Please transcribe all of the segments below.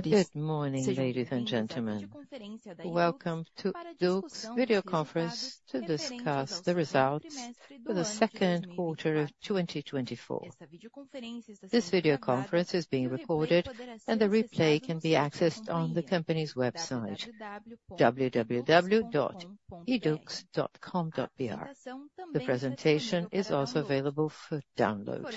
Good morning, ladies and gentlemen. Welcome to YDUQS Video Conference to discuss the results for the second quarter of 2024. This video conference is being recorded, and the replay can be accessed on the company's website, www.yduqs.com.br. The presentation is also available for download.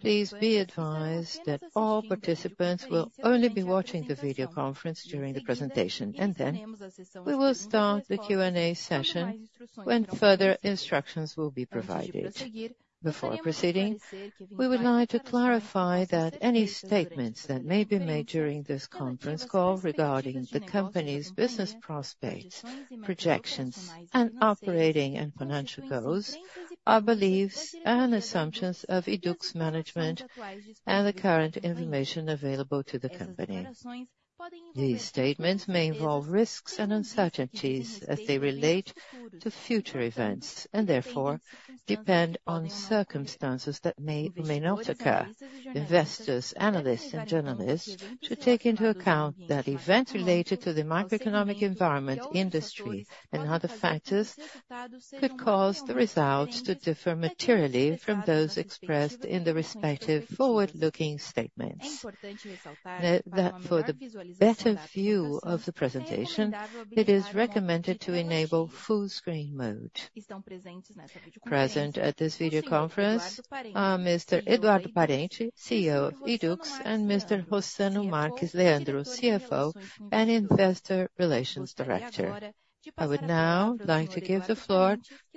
Please be advised that all participants will only be watching the video conference during the presentation, and then we will start the Q&A session, when further instructions will be provided. Before proceeding, we would like to clarify that any statements that may be made during this conference call regarding the company's business prospects, projections, and operating and financial goals, are beliefs and assumptions of YDUQS management and the current information available to the company. These statements may involve risks and uncertainties as they relate to future events, and therefore depend on circumstances that may or may not occur. Investors, analysts, and journalists should take into account that events related to the macroeconomic environment, industry and other factors could cause the results to differ materially from those expressed in the respective forward-looking statements. That for the better view of the presentation, it is recommended to enable full screen mode. Present at this video conference are Mr. Eduardo Parente, CEO of YDUQS, and Mr. Rossano Marques Leandro, CFO and Investor Relations Director. I would now like to give the floor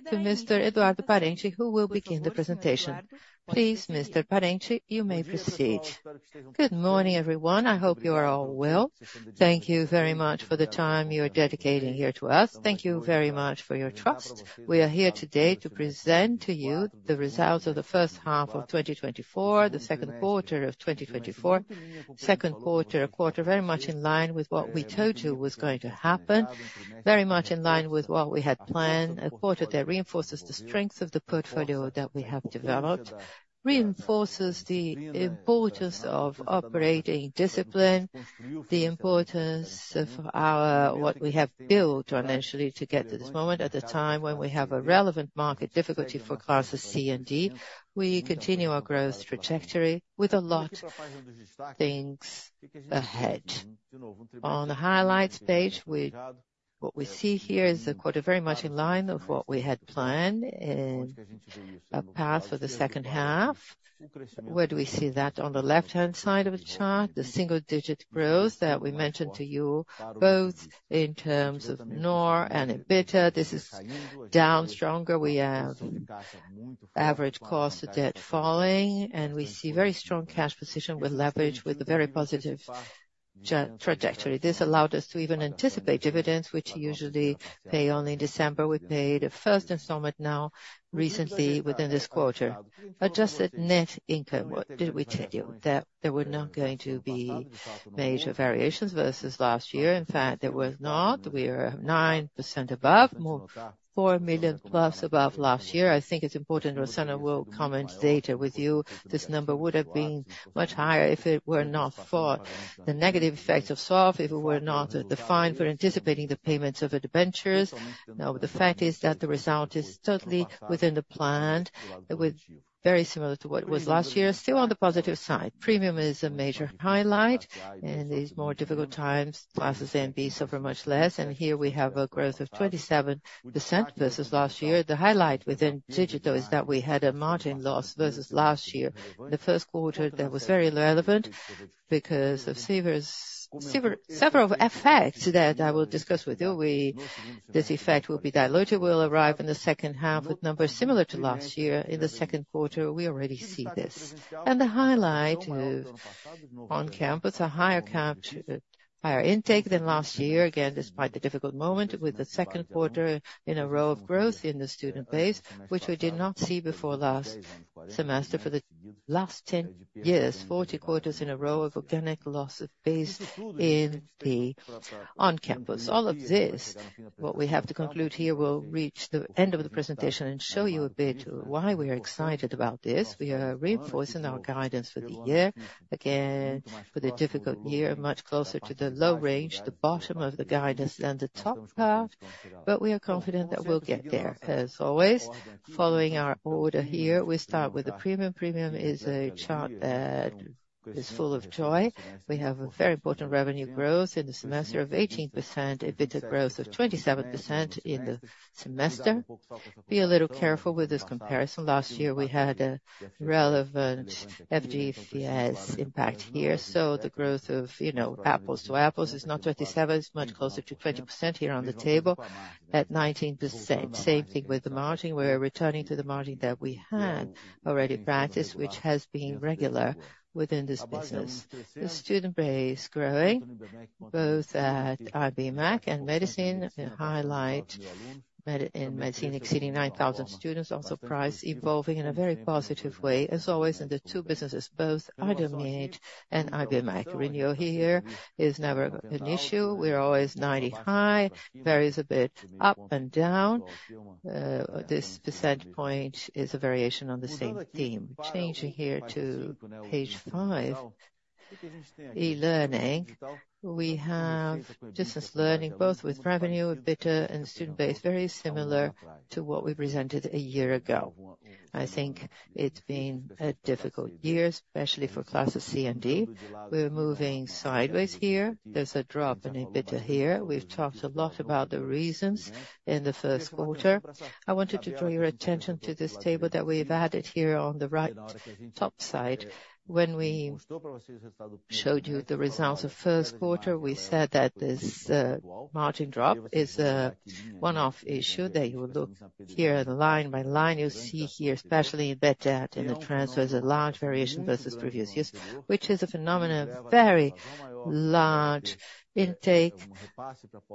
to Mr. Eduardo Parente, who will begin the presentation. Please, Mr. Parente, you may proceed Good morning, everyone. I hope you are all well. Thank you very much for the time you are dedicating here to us. Thank you very much for your trust. We are here today to present to you the results of the first half of 2024, the second quarter of 2024. Second quarter, a quarter very much in line with what we told you was going to happen, very much in line with what we had planned. A quarter that reinforces the strength of the portfolio that we have developed, reinforces the importance of operating discipline, the importance of our—what we have built financially to get to this moment. At a time when we have a relevant market difficulty for Classes C and D, we continue our growth trajectory with a lot of things ahead. On the highlights page, we—what we see here is a quarter very much in line with what we had planned, and a path for the second half. Where do we see that? On the left-hand side of the chart, the single-digit growth that we mentioned to you, both in terms of NOR and EBITDA. This is down stronger. We have average cost of debt falling, and we see very strong cash position with leverage, with a very positive trajectory. This allowed us to even anticipate dividends, which usually pay only in December. We paid a first installment now, recently, within this quarter. Adjusted net income, what did we tell you? That there were not going to be major variations versus last year. In fact, there was not. We are 9% above, more, four million plus above last year. I think it's important, Rossano will comment later with you, this number would have been much higher if it were not for the negative effects of Swap, if it were not the fine for anticipating the payments of debentures. Now, the fact is that the result is totally within the plan, with very similar to what it was last year. Still, on the positive side, Premium is a major highlight in these more difficult times. Classes A and B suffer much less, and here we have a growth of 27% versus last year. The highlight within Digital is that we had a margin loss versus last year. In the first quarter, that was very relevant because of several effects that I will discuss with you. This effect will be diluted, will arrive in the second half, with numbers similar to last year. In the second quarter, we already see this. The highlight of On-campus, a higher count, higher intake than last year. Again, despite the difficult moment, with the second quarter in a row of growth in the student base, which we did not see before last semester for the last 10 years, 40 quarters in a row of organic loss of base in the on-campus. All of this, what we have to conclude here, we'll reach the end of the presentation and show you a bit why we are excited about this. We are reinforcing our guidance for the year. Again, with a difficult year, much closer to the low range, the bottom of the guidance than the top part, but we are confident that we'll get there. As always, following our order here, we start with the Premium. Premium is a chart that is full of joy. We have a very important revenue growth in the semester of 18%, EBITDA growth of 27% in the semester. Be a little careful with this comparison. Last year, we had a relevant FG-Fies impact here, so the growth of, you know, apples to apples is not 27, it's much closer to 20% here on the table, at 19%. Same thing with the margin. We are returning to the margin that we had already practiced, which has been regular within this business. The student base growing, both at Ibmec and Medicine. We highlight IDOMED in Medicine exceeding 9,000 students. Also, price evolving in a very positive way. As always, in the two businesses, both IDOMED and Ibmec, renewal here is never an issue. We are always 90 high, varies a bit up and down. This percent point is a variation on the same theme. Changing here to page five-... E-learning, we have distance learning, both with revenue, EBITDA, and student base, very similar to what we presented a year ago. I think it's been a difficult year, especially for Classes C and D. We're moving sideways here. There's a drop in EBITDA here. We've talked a lot about the reasons in the first quarter. I wanted to draw your attention to this table that we've added here on the right top side. When we showed you the results of first quarter, we said that this, margin drop is a one-off issue, that you will look here at line by line. You see here, especially in bad debt, in the transfer, is a large variation versus previous years, which is a phenomenon, very large intake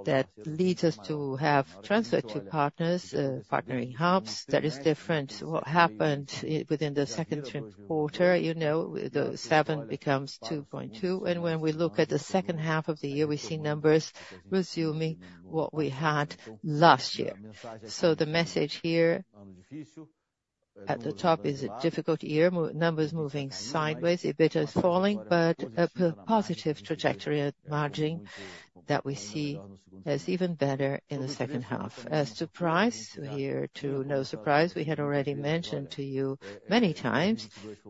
that leads us to have transfer to partners, partnering hubs. That is different. What happened within the second and third quarter, you know, the 7 becomes 2.2, and when we look at the second half of the year, we see numbers resuming what we had last year. So the message here at the top is a difficult year, numbers moving sideways. EBITDA is falling, but a positive trajectory at margin that we see as even better in the second half. As to price, here, too, no surprise. We had already mentioned to you many times,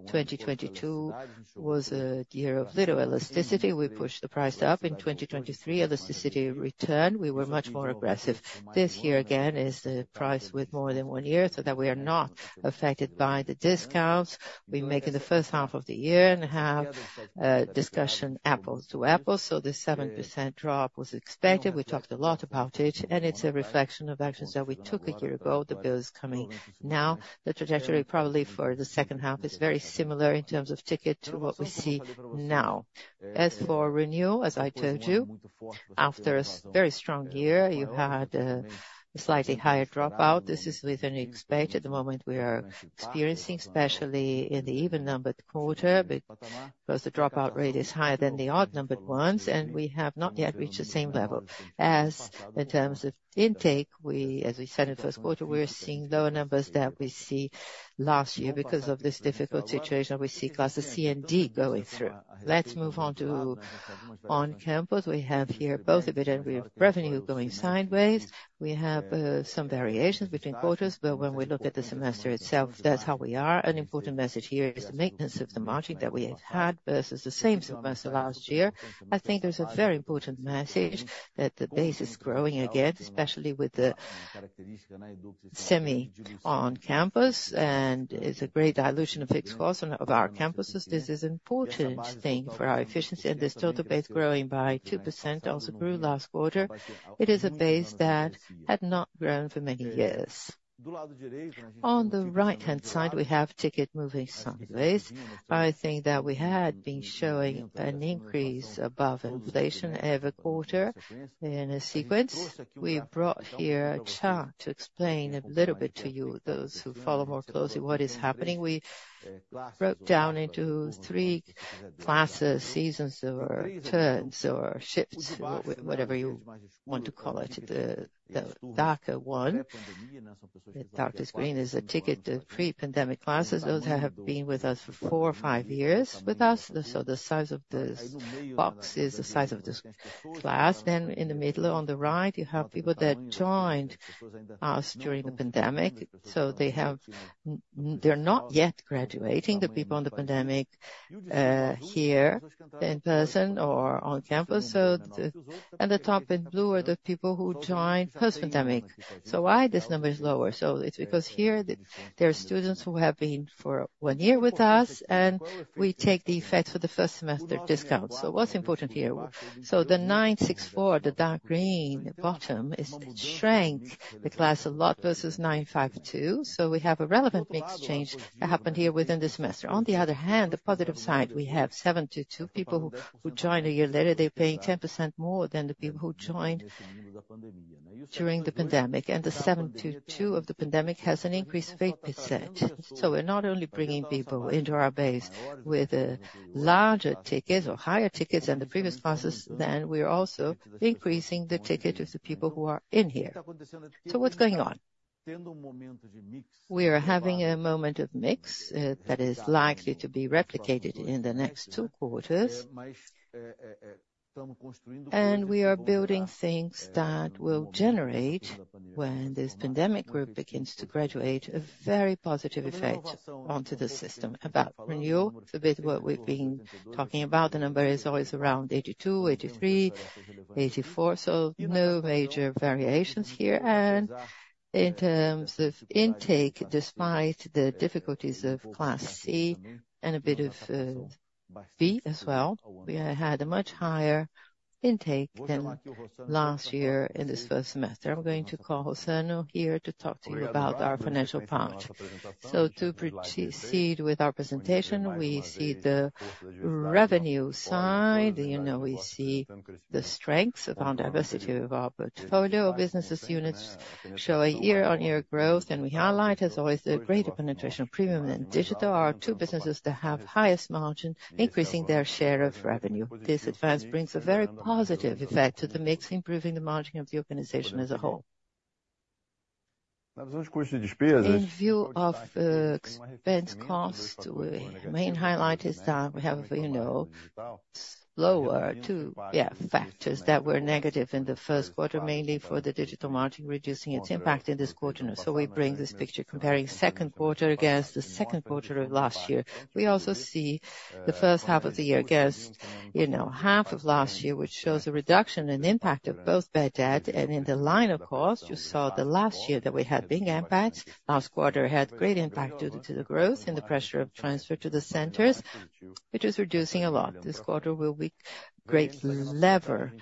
2022 was a year of little elasticity. We pushed the price up in 2023, elasticity returned. We were much more aggressive. This year, again, is the price with more than one year, so that we are not affected by the discounts we make in the first half of the year and have a discussion apples to apples. So the 7% drop was expected. We talked a lot about it, and it's a reflection of actions that we took a year ago. The bill is coming now. The trajectory, probably for the second half, is very similar in terms of ticket to what we see now. As for renewal, as I told you, after a very strong year, you had a slightly higher dropout. This is within expectations. At the moment, we are experiencing, especially in the even-numbered quarter, because the dropout rate is higher than the odd-numbered ones, and we have not yet reached the same level. As in terms of intake, as we said in the first quarter, we are seeing lower numbers than we saw last year. Because of this difficult situation, we see classes C and D going through. Let's move on to on-campus. We have here both EBITDA and revenue going sideways. We have some variations between quarters, but when we look at the semester itself, that's how we are. An important message here is the maintenance of the margin that we have had versus the same semester last year. I think there's a very important message that the base is growing again, especially with the Semi On-campus this is important thing for our efficiency, and this total base, growing by 2%, also grew last quarter. It is a base that had not grown for many years. On the right-hand side, we have ticket moving sideways. I think that we had been showing an increase above inflation every quarter in a sequence. We brought here a chart to explain a little bit to you, those who follow more closely what is happening. We broke down into three classes, seasons, or terms, or shifts, or whatever you want to call it. The darkest one, the darkest green, is a ticket to pre-pandemic classes. Those that have been with us for four or five years with us, so the size of this box is the size of this class. Then in the middle, on the right, you have people that joined us during the pandemic, so they have... they're not yet graduating, the people in the pandemic, here in person or on campus, so at the top in blue are the people who joined post-pandemic. So why this number is lower? So it's because here, the, there are students who have been for one year with us, and we take the effect for the first semester discount. So what's important here? So the 964, the dark green bottom, it, it shrank the class a lot versus 952. So we have a relevant mix change that happened here within the semester. On the other hand, the positive side, we have 722, people who, who joined a year later. They're paying 10% more than the people who joined during the pandemic, and the 722 of the pandemic has an increased rate percent. So we're not only bringing people into our base with a larger tickets or higher tickets than the previous classes, then we are also increasing the ticket of the people who are in here. So what's going on? We are having a moment of mix that is likely to be replicated in the next two quarters. We are building things that will generate, when this pandemic group begins to graduate, a very positive effect onto the system. About renewal, a bit what we've been talking about, the number is always around 82, 83, 84, so no major variations here. In terms of intake, despite the difficulties of Class C and a bit of B as well, we had a much higher intake than last year in this first semester. I'm going to call Rossano here to talk to you about our financial part. To proceed with our presentation, we see the revenue side. You know, we see the strengths of our diversity of our portfolio. Business units show a year-on-year growth, and we highlight, as always, the greater penetration of premium and digital. Our two businesses that have highest margin, increasing their share of revenue. This advance brings a very positive effect to the mix, improving the margin of the organization as a whole. In view of expense cost, we main highlight is that we have, you know, slower to factors that were negative in the first quarter, mainly for the digital margin, reducing its impact in this quarter. So we bring this picture comparing second quarter against the second quarter of last year. We also see the first half of the year against, you know, half of last year, which shows a reduction in impact of both bad debt and in the line, of course, you saw the last year that we had big impact. Last quarter had great impact due to the growth and the pressure of transfer to the centers, which is reducing a lot. This quarter will be great lever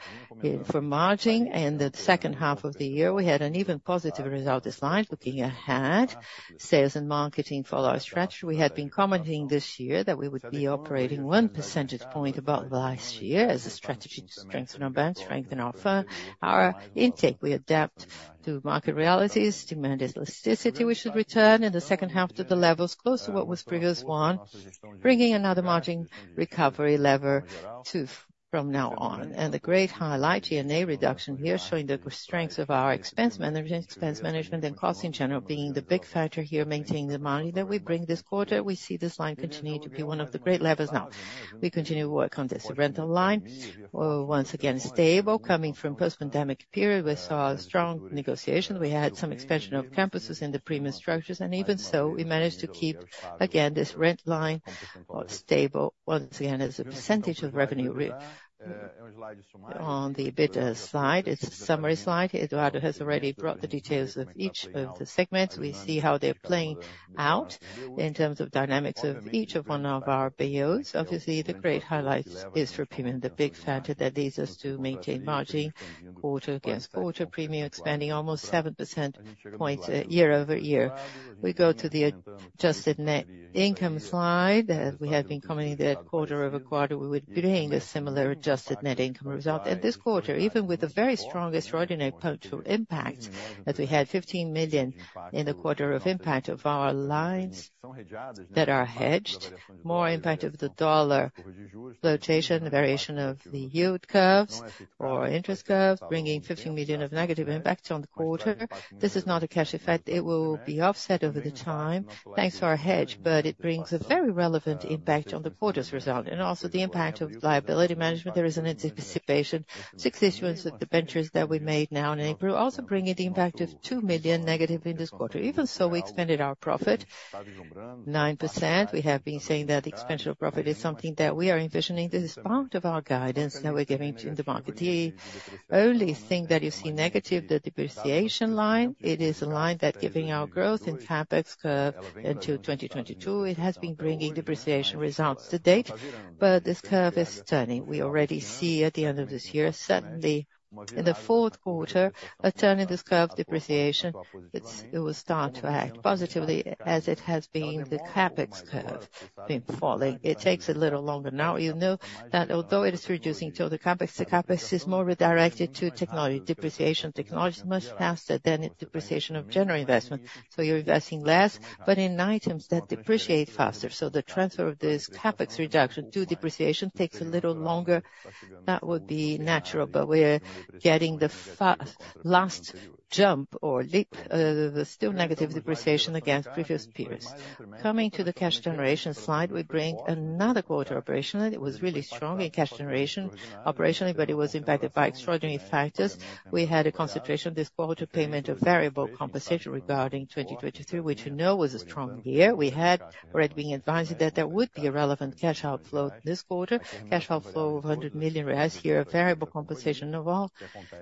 for margin. In the second half of the year, we had an even positive result, this line. Looking ahead, sales and marketing follow our strategy. We had been commenting this year that we would be operating one percentage point above last year as a strategy to strengthen our brand, strengthen our firm, our intake. We adapt to market realities, demand elasticity, which should return in the second half to the levels close to what was previous one, bringing another margin recovery lever to from now on. A great highlight, G&A reduction here, showing the strength of our expense management and costing, in general, being the big factor here, maintaining the money that we bring this quarter. We see this line continuing to be one of the great levers. Now, we continue to work on this rental line. Once again, stable, coming from post-pandemic period, we saw strong negotiation. We had some expansion of campuses in the Premium structures, and even so, we managed to keep, again, this rent line, stable once again, as a percentage of revenue, right. On the next slide, it's a summary slide. Eduardo has already brought the details of each of the segments. We see how they're playing out in terms of dynamics of each one of our P&Ls. Obviously, the great highlight is for Premium, the big factor that leads us to maintain margin quarter-over-quarter, Premium expanding almost 7 percentage points, year-over-year. We go to the adjusted net income slide. We have been commenting that quarter-over-quarter, we would bring a similar adjusted net income result. And this quarter, even with the very strongest ordinary potential impact, that we had 15 million in the quarter of impact of our lines that are hedged, more impact of the dollar fluctuation, variation of the yield curves or interest curves, bringing 15 million of negative impact on the quarter. This is not a cash effect. It will be offset over the time, thanks to our hedge, but it brings a very relevant impact on the quarter's result. And also the impact of liability management, there is an anticipation. Six issuance with the debentures that we made now in April, also bringing the impact of 2 million negative in this quarter. Even so, we expanded our profit 9%. We have been saying that expansion of profit is something that we are envisioning. This is part of our guidance that we're giving to the market. The only thing that you see negative, the depreciation line. It is a line that giving our growth in CapEx curve until 2022, it has been bringing depreciation results to date, but this curve is turning. We already see at the end of this year, certainly in the fourth quarter, a turn in this curve, depreciation, it's it will start to act positively, as it has been the CapEx curve been falling. It takes a little longer. Now, you know that although it is reducing to the CapEx, the CapEx is more redirected to technology. Depreciation of technology is much faster than depreciation of general investment. So you're investing less, but in items that depreciate faster. So the transfer of this CapEx reduction to depreciation takes a little longer. That would be natural, but we're getting the final jump or leap, the still negative depreciation against previous periods. Coming to the cash generation slide, we bring another quarter operationally. It was really strong in cash generation, operationally, but it was impacted by extraordinary factors. We had a concentration this quarter, payment of variable compensation regarding 2023, which you know, was a strong year. We had already been advising that there would be a relevant cash outflow this quarter. Cash outflow of 100 million reais, here, a variable compensation of all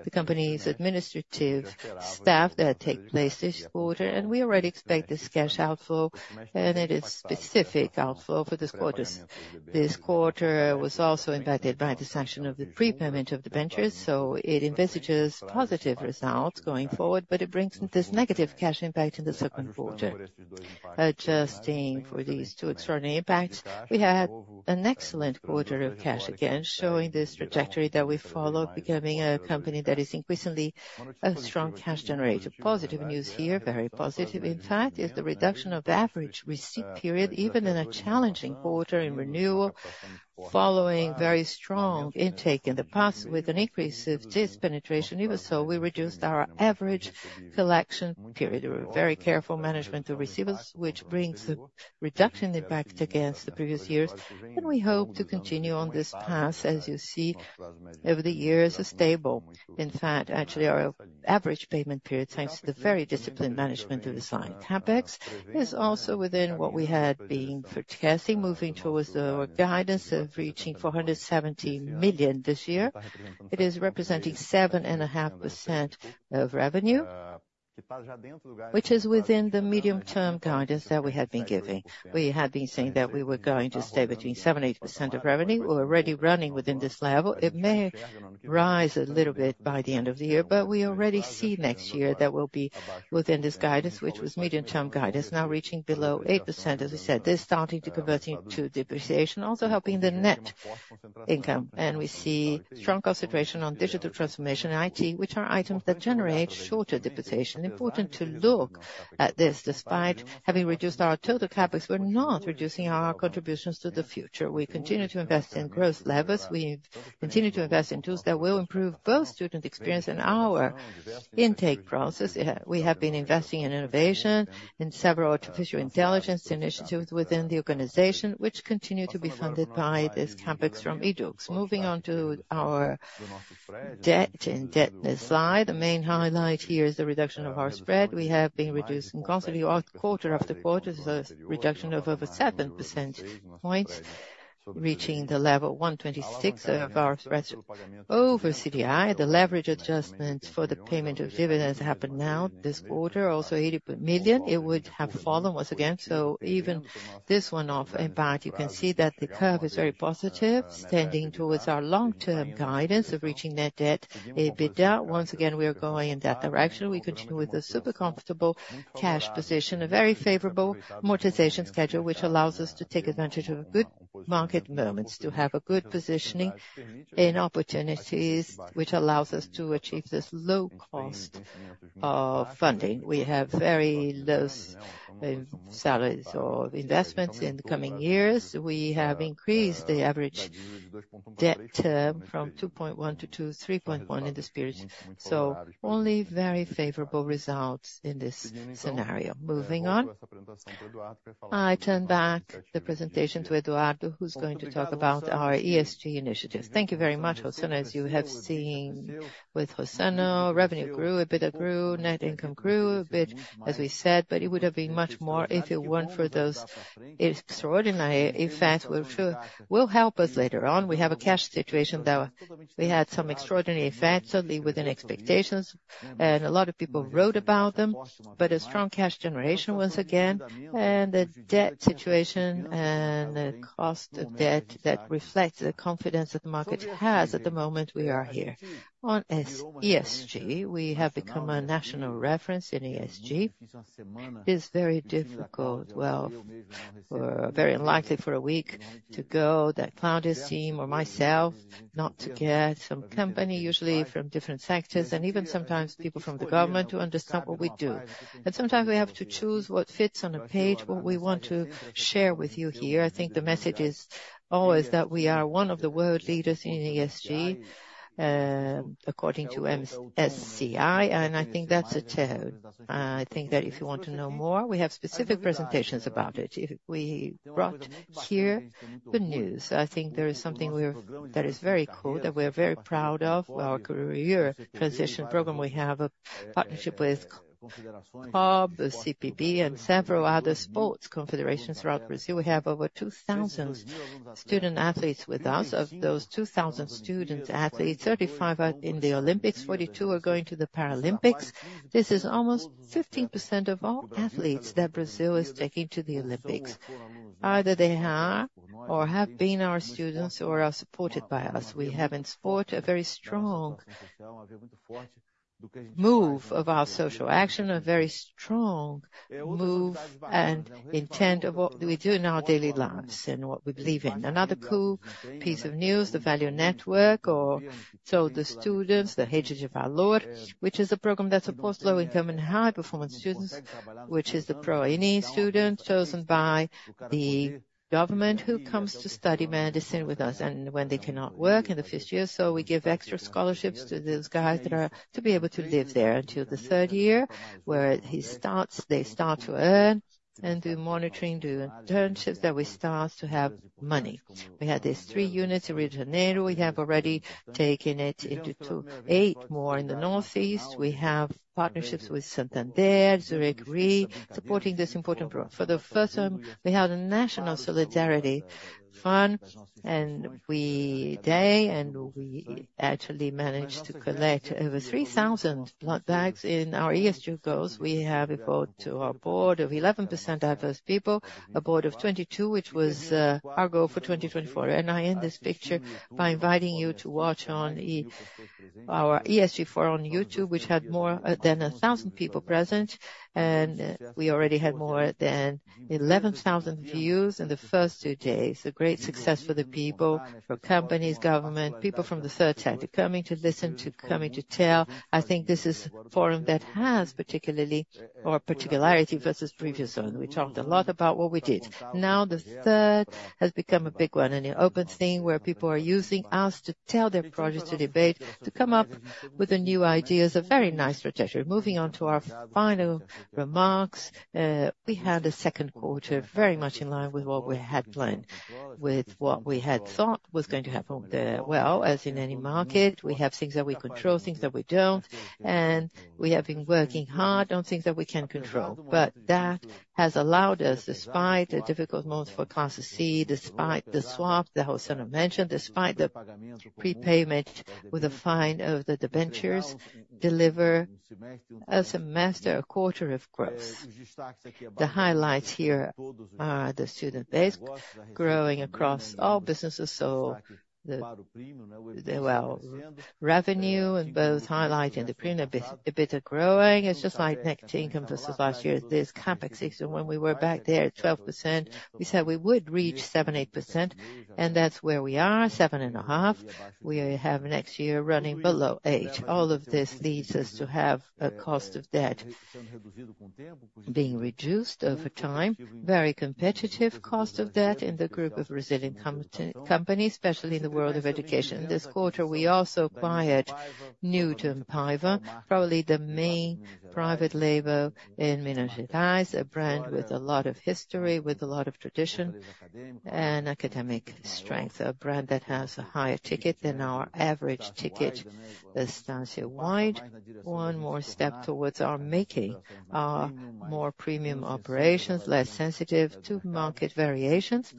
the company's administrative staff that take place this quarter. And we already expect this cash outflow, and it is specific outflow for this quarter. This quarter was also impacted by the transaction of the prepayment of the debentures, so it indicates positive results going forward, but it brings this negative cash impact in the second quarter. Adjusting for these two extraordinary impacts, we had an excellent quarter of cash, again, showing this trajectory that we follow, becoming a company that is increasingly a strong cash generator. Positive news here, very positive, in fact, is the reduction of average receivables period, even in a challenging quarter in renewal, following very strong intake in the past with an increase of this penetration. Even so, we reduced our average collection period. We were very careful management of receivables, which brings the reduction impact against the previous years, and we hope to continue on this path. As you see, over the years, is stable. In fact, actually, our average payment period, thanks to the very disciplined management of this line. CapEx is also within what we had been forecasting, moving towards our guidance of reaching 470 million this year. It is representing 7.5% of revenue... Which is within the medium-term guidance that we had been giving. We had been saying that we were going to stay between 7%-8% of revenue. We're already running within this level. It may rise a little bit by the end of the year, but we already see next year that we'll be within this guidance, which was medium-term guidance, now reaching below 8%, as I said. This starting to convert into depreciation, also helping the net income. And we see strong concentration on digital transformation and IT, which are items that generate shorter depreciation. Important to look at this. Despite having reduced our total CapEx, we're not reducing our contributions to the future. We continue to invest in growth levers. We've continued to invest in tools that will improve both student experience and our intake process. We have been investing in innovation, in several artificial intelligence initiatives within the organization, which continue to be funded by this CapEx from YDUQS. Moving on to our debt and net debt slide. The main highlight here is the reduction of our spread. We have been reducing constantly, quarter after quarter, is a reduction of over 7 percentage points, reaching the level 126 of our spread over CDI. The leverage adjustments for the payment of dividends happen now this quarter, also 80 million. It would have fallen once again, so even this one-off, in part, you can see that the curve is very positive, standing towards our long-term guidance of reaching net debt, EBITDA. Once again, we are going in that direction. We continue with a super comfortable cash position, a very favorable amortization schedule, which allows us to take advantage of good market moments, to have a good positioning in opportunities, which allows us to achieve this low cost of funding. We have very low CapEx or investments in the coming years. We have increased the average debt term from 2.1 to 3.1 in this period. So only very favorable results in this scenario. Moving on. I turn back the presentation to Eduardo, who's going to talk about our ESG initiatives. Thank you very much, Rossano. As you have seen with Rossano, revenue grew, EBITDA grew, net income grew a bit, as we said, but it would have been much more if it weren't for those extraordinary effects, which will, will help us later on. We have a cash situation, though we had some extraordinary effects, totally within expectations, and a lot of people wrote about them. But a strong cash generation once again, and the debt situation and the cost of debt, that reflects the confidence that the market has at the moment we are here. On ESG, we have become a national reference in ESG. It's very difficult, well, or very unlikely, for a week to go that Cláudia's team or myself, not to get some company, usually from different sectors, and even sometimes people from the government, to understand what we do. But sometimes we have to choose what fits on a page, what we want to share with you here. I think the message is always that we are one of the world leaders in ESG, according to MSCI, and I think that's a plus. I think that if you want to know more, we have specific presentations about it. If we brought here good news, I think there is something that is very cool, that we're very proud of, our career transition program. We have a partnership with COB, the CPB, and several other sports confederations throughout Brazil. We have over 2,000 student-athletes with us. Of those 2,000 student-athletes, 35 are in the Olympics, 42 are going to the Paralympics. This is almost 15% of all athletes that Brazil is taking to the Olympics. Either they are or have been our students or are supported by us. We have, in sport, a very strong move of our social action, a very strong move and intent of what we do in our daily lives and what we believe in. Another cool piece of news, the Value Network, or so the students, our Heritage, which is a program that supports low-income and high-performance students, which is the ProUni student, chosen by the government, who comes to study medicine with us, and when they cannot work in the first year, so we give extra scholarships to those guys that are to be able to live there until the third year, where they start to earn and do monitoring, do internships, that we start to have money. We had these three units in Rio de Janeiro. We have already taken it into 8 more in the Northeast. We have partnerships with Santander, Zurich Re, supporting this important program. For the first time, we have a National Solidarity Fund, and we, they and we actually managed to collect over 3,000 blood bags. In our ESG goals, we have a vote to our board of 11% diverse people, a board of 22, which was our goal for 2024. I end this picture by inviting you to watch on our ESG forum on YouTube, which had more than 1,000 people present, and we already had more than 11,000 views in the first 2 days. A great success for the people, for companies, government, people from the third sector, coming to listen, coming to tell. I think this is a forum that has particularly, or a particularity versus previous ones. We talked a lot about what we did. Now, the third has become a big one, and an open scene where people are using us to tell their projects, to debate, to come up with the new ideas. A very nice trajectory. Moving on to our final remarks, we had a second quarter, very much in line with what we had planned, with what we had thought was going to happen. Well, as in any market, we have things that we control, things that we don't, and we have been working hard on things that we can control. But that has allowed us, despite the difficult months for Class C, despite the swap that Rossano mentioned, despite the prepayment with a fine of the debentures, deliver a semester, a quarter of growth. The highlights here are the student base growing across all businesses, so the well, revenue and both highlighting the premium, EBITDA growing. It's just like net income versus last year, this CapEx season, when we were back there at 12%, we said we would reach 7%-8%, and that's where we are, 7.5%. We have next year running below 8%. All of this leads us to have a cost of debt being reduced over time. Very competitive cost of debt in the group of resilient companies, especially in the world of education. This quarter, we also acquired Newton Paiva, probably the main private label in Minas Gerais, a brand with a lot of history, with a lot of tradition and academic strength, a brand that has a higher ticket than our average ticket, Estácio-wide. One more step towards our making our more premium operations less sensitive to market variations.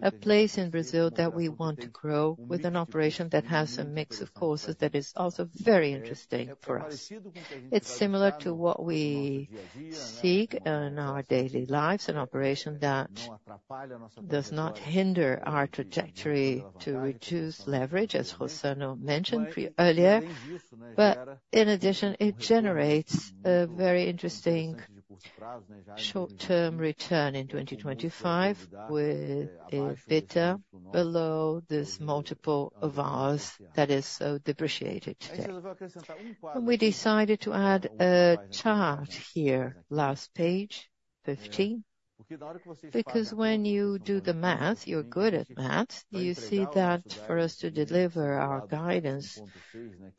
A place in Brazil that we want to grow with an operation that has a mix of courses that is also very interesting for us. It's similar to what we seek in our daily lives, an operation that does not hinder our trajectory to reduce leverage, as Rossano mentioned pre-earlier. But in addition, it generates a very interesting short-term return in 2025, with a beta below this multiple of ours that is so depreciated today. And we decided to add a chart here, last page, 15. Because when you do the math, you're good at math, you see that for us to deliver our guidance,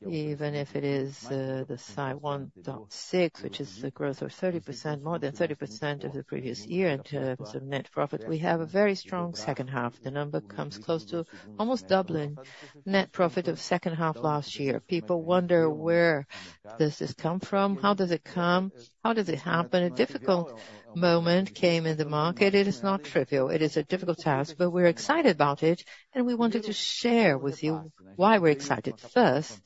even if it is the 1.6, which is the growth of 30%, more than 30% of the previous year in terms of net profit, we have a very strong second half. The number comes close to almost doubling net profit of second half last year. People wonder: where does this come from? How does it come? How does it happen? A difficult moment came in the market. It is not trivial. It is a difficult task, but we're excited about it, and we wanted to share with you why we're excited. First,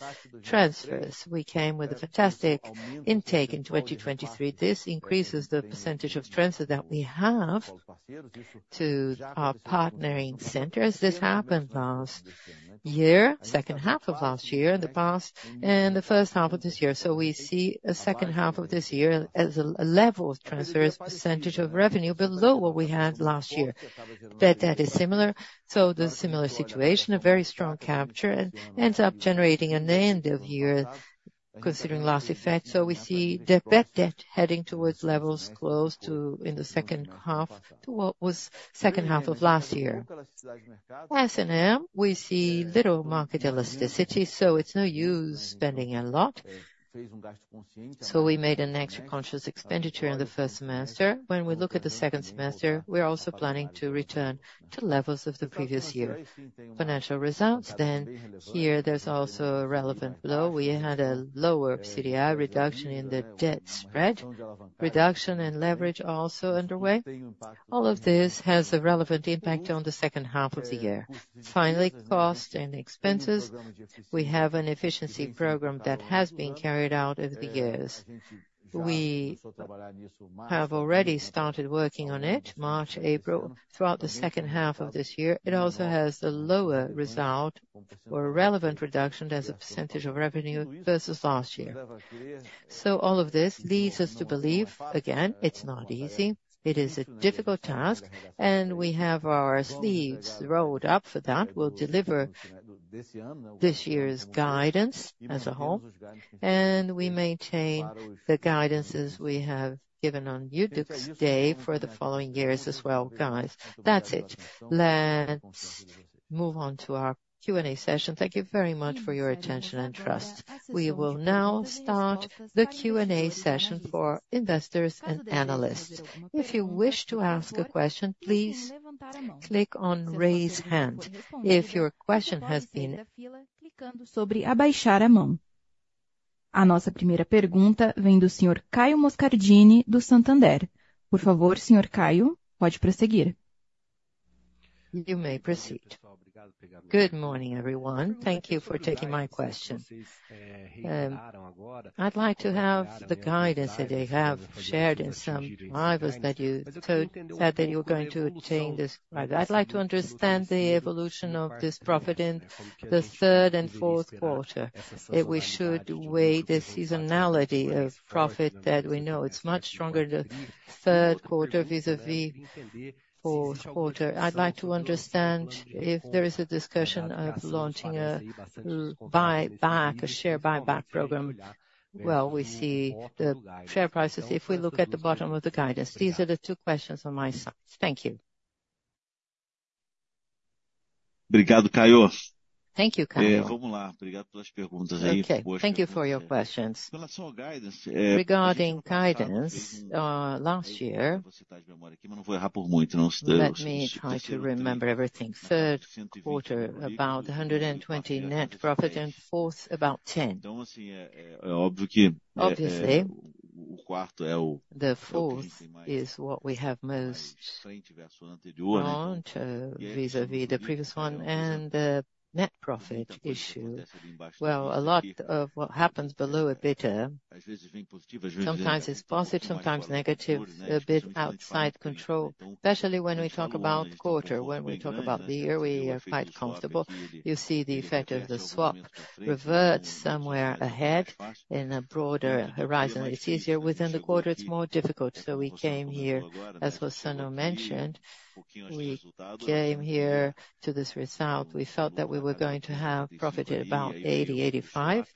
transfers. We came with a fantastic intake in 2023. This increases the percentage of transfers that we have to our partnering centers. This happened last year, second half of last year, in the past, and the first half of this year. So we see a second half of this year as a level of transfers, percentage of revenue below what we had last year. That is similar, so the similar situation, a very strong capture, and ends up generating in the end of year, considering last effect. So we see the net debt heading towards levels close to in the second half to what was second half of last year. S&M, we see little market elasticity, so it's no use spending a lot. So we made an extra conscious expenditure in the first semester. When we look at the second semester, we're also planning to return to levels of the previous year. Financial results, then here, there's also a relevant blow. We had a lower CDI reduction in the debt spread, reduction and leverage also underway. All of this has a relevant impact on the second half of the year. Finally, cost and expenses. We have an efficiency program that has been carried out over the years. We have already started working on it, March, April, throughout the second half of this year. It also has the lower result or relevant reduction as a percentage of revenue versus last year. So all of this leads us to believe, again, it's not easy, it is a difficult task, and we have our sleeves rolled up for that. We'll deliver this year's guidance as a whole, and we maintain the guidances we have given on YDUQS today for the following years as well, guys. That's it. Let's move on to our Q&A session. Thank you very much for your attention and trust. We will now start the Q&A session for investors and analysts. If you wish to ask a question, please click on Raise Hand. If your question has been. You may proceed. Good morning, everyone. Thank you for taking my question. I'd like to have the guidance that they have shared in some rivals that you told, said that you were going to change this guidance. I'd like to understand the evolution of this profit in the third and fourth quarter, if we should weigh the seasonality of profit that we know. It's much stronger, the third quarter, vis-à-vis fourth quarter. I'd like to understand if there is a discussion of launching a buy back, a share buyback program. Well, we see the share prices. If we look at the bottom of the guidance, these are the two questions on my side. Thank you. Thank you, Caio. Okay, thank you for your questions. Regarding guidance, last year, let me try to remember everything. Third quarter, about 120 net profit, and fourth, about 10. Obviously, the fourth is what we have most on to vis-à-vis the previous one and the net profit issue. Well, a lot of what happens below EBITDA, sometimes it's positive, sometimes negative, a bit outside control, especially when we talk about quarter. When we talk about the year, we are quite comfortable. You see the effect of the swap revert somewhere ahead in a broader horizon. It's easier. Within the quarter, it's more difficult, so we came here, as Rossano mentioned, we came here to this result. We felt that we were going to have profit at about 80, 85,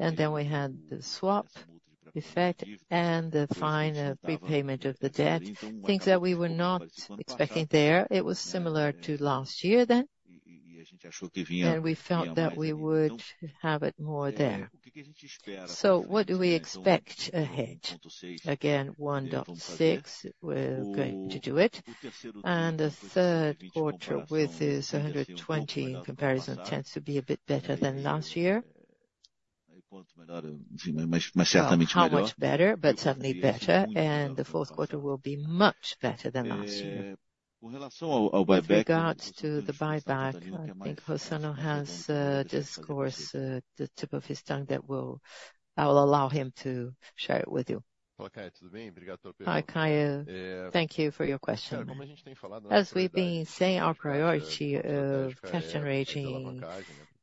and then we had the swap effect and the final prepayment of the debt, things that we were not expecting there. It was similar to last year then, and we felt that we would have it more there. So what do we expect ahead? Again, 1.6, we're going to do it. And the third quarter, which is 120 in comparison, tends to be a bit better than last year. Well, how much better, but certainly better, and the fourth quarter will be much better than last year. With regards to the buyback, I think Rossano has it on the tip of his tongue. I will allow him to share it with you. Hi, Caio. Thank you for your question. As we've been saying, our priority of cash generating,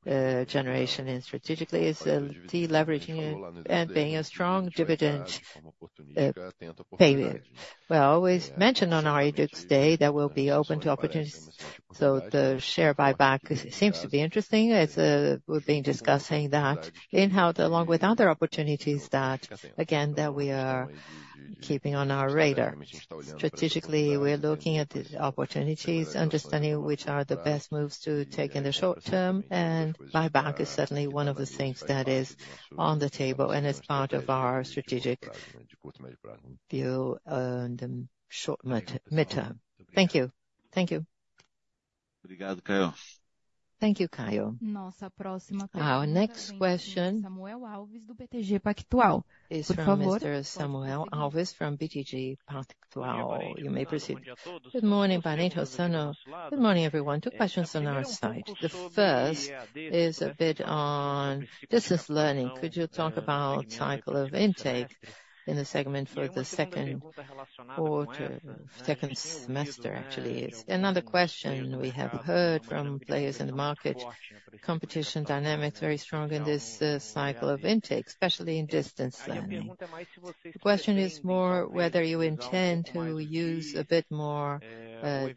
generation and strategically is, deleveraging and, and being a strong dividend, payment. Well, we mentioned on our Investor day that we'll be open to opportunities, so the share buyback seems to be interesting as, we've been discussing that in-house, along with other opportunities that, again, that we are keeping on our radar. Strategically, we are looking at the opportunities, understanding which are the best moves to take in the short term, and buyback is certainly one of the things that is on the table and is part of our strategic view, in the short mid, midterm. Thank you. Thank you. Thank you, Caio. Our next question- It's from Mr. Samuel Alves, from BTG Pactual. You may proceed. Good morning, Parente, Rossano. Good morning, everyone. Two questions on our side. The first is a bit on distance learning. Could you talk about cycle of intake in the segment for the second quarter, second semester, actually? Another question we have heard from players in the market, competition dynamic is very strong in this cycle of intake, especially in distance learning. The question is more whether you intend to use a bit more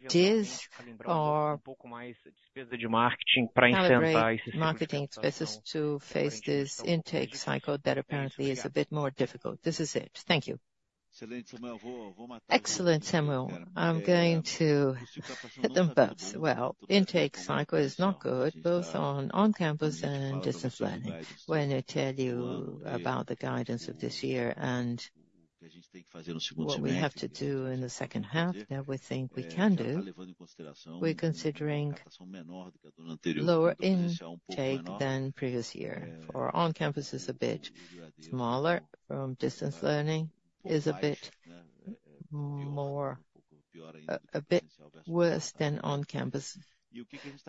DIS or calibrate marketing spaces to face this intake cycle that apparently is a bit more difficult. This is it. Thank you. Excellent, Samuel. I'm going to hit them both. Well, intake cycle is not good, both on campus and in distance learning. When I tell you about the guidance of this year and what we have to do in the second half, everything we can do, we're considering lower intake than previous year. For on-campus is a bit smaller, distance learning is a bit more, a bit worse than on-campus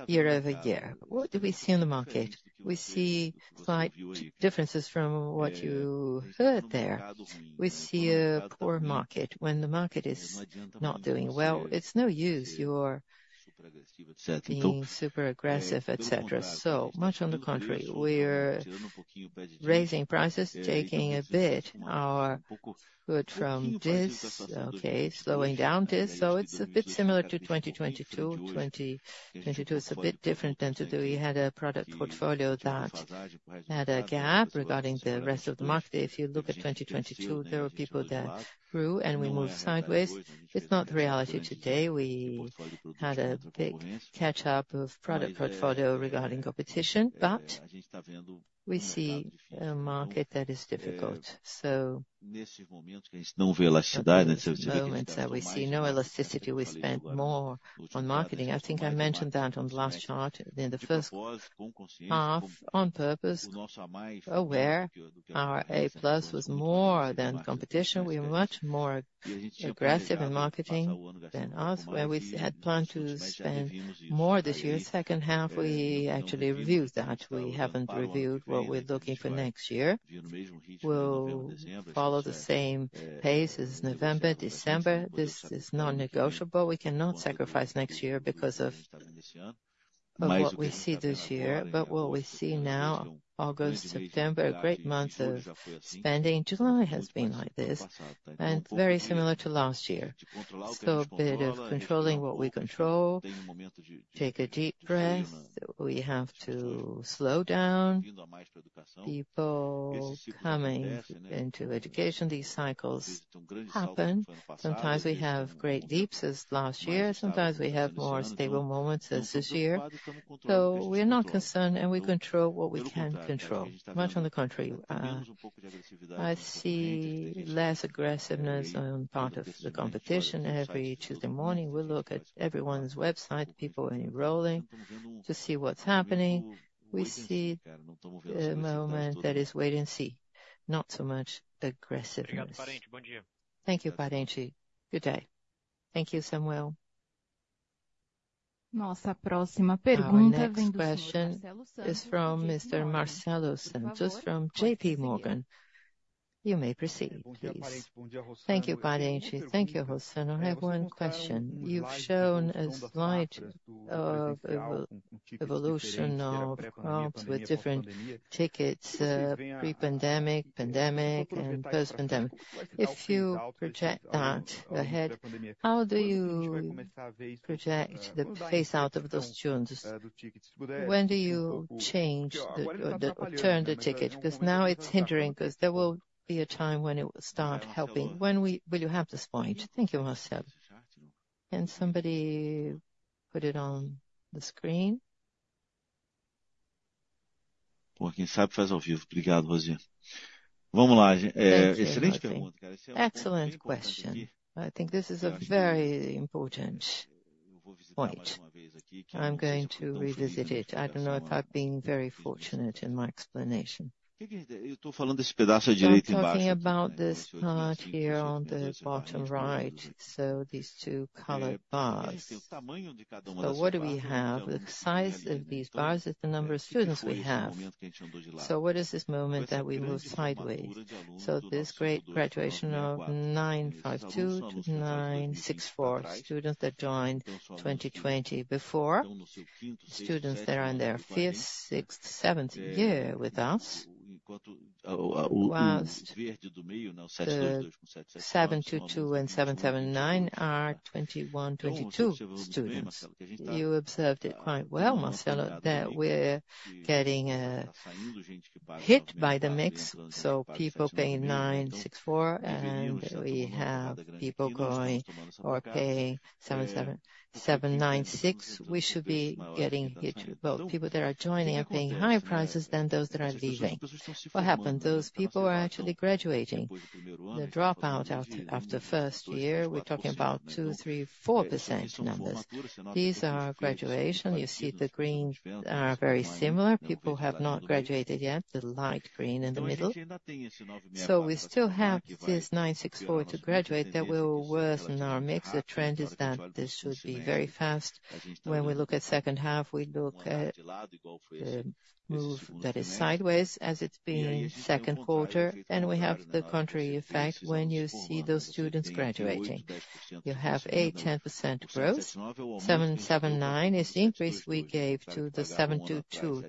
year-over-year. What do we see in the market? We see slight differences from what you heard there. We see a poor market. When the market is not doing well, it's no use, you're certainly being super aggressive, et cetera. So much on the contrary, we're raising prices, taking a bit our good from this, okay, slowing down this. So it's a bit similar to 2022. 2022 is a bit different than today. We had a product portfolio that had a gap regarding the rest of the market. If you look at 2022, there were people that grew, and we moved sideways. It's not the reality today. We had a big catch-up of product portfolio regarding competition, but we see a market that is difficult. So- Don't see elasticity. Moments that we see no elasticity, we spend more on marketing. I think I mentioned that on the last chart. In the first half, on purpose, aware our A plus was more than competition. We are much more aggressive in marketing than us, where we had planned to spend more this year. Second half, we actually reviewed that. We haven't reviewed what we're looking for next year. We'll follow the same pace as November, December. This is non-negotiable. We cannot sacrifice next year because of, of what we see this year. But what we see now, August, September, great months of spending. July has been like this and very similar to last year. So a bit of controlling what we control, take a deep breath. We have to slow down people coming into education. These cycles happen. Sometimes we have great leaps, as last year. Sometimes we have more stable moments, as this year. So we are not concerned, and we control what we can control. Much on the contrary, I see less aggressiveness on part of the competition. Every Tuesday morning, we look at everyone's website, people enrolling to see what's happening. We see a moment that is wait and see, not so much aggressiveness. Thank you, Parente. Thank you, Samuel. Our next question is from Mr. Marcelo Santos, from JP Morgan. You may proceed, please. Thank you, Parente. Thank you, Rossano. I have one question. You've shown a slide of evolution of accounts with different tickets, pre-pandemic, pandemic, and post-pandemic. If you project that ahead, how do you project the phase out of those tunes? When do you change the, the turn the ticket? Because now it's hindering, because there will be a time when it will start helping. When will you have this point? Thank you, Marcelo. Can somebody put it on the screen? Well, inside first I'll give you. Thank you, Rossano. Vamos lá, excellent question. Excellent question. I think this is a very important point. I'm going to revisit it. I don't know if I've been very fortunate in my explanation. So I'm talking about this part here on the bottom right, so these two colored bars. So what do we have? The size of these bars is the number of students we have. So what is this moment that we moved sideways? So this great graduation of 952 to 964 students that joined 2020 before. Students that are in their fifth, sixth, seventh year with us. Whilst the 722 and 779 are 2021, 2022 students. You observed it quite well, Marcelo, that we're getting hit by the mix, so people paying 964, and we have people going or paying 777, 796. We should be getting hit, both people that are joining are paying higher prices than those that are leaving. What happened? Those people are actually graduating. The dropout after first year, we're talking about 2, 3, 4% numbers. These are graduation. You see the green are very similar. People have not graduated yet, the light green in the middle. So we still have this 964 to graduate that will worsen our mix. The trend is that this should be very fast. When we look at second half, we look at the move that is sideways as it's been second quarter, and we have the contrary effect when you see those students graduating. You have 8-10% growth. 779 is the increase we gave to the 722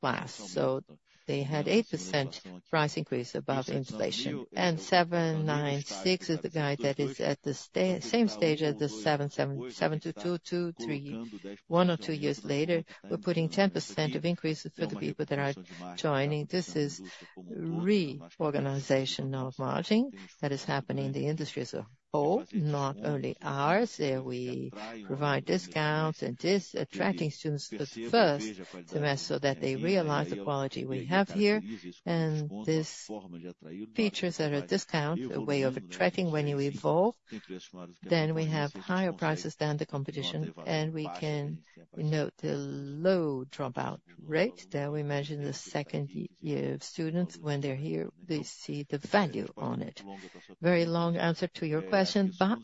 class. So they had 8% price increase above inflation. And 796 is the guy that is at the same stage as the 777, 722, 2023. One or two years later, we're putting 10% of increases for the people that are joining. This is reorganization of margin that is happening in the industries of all, not only ours. We provide discounts and this attracting students for the first semester, so that they realize the quality we have here. And these features that are discount, a way of attracting when you evolve, then we have higher prices than the competition, and we can note a low dropout rate that we mention the second year of students. When they're here, they see the value on it. Very long answer to your question, but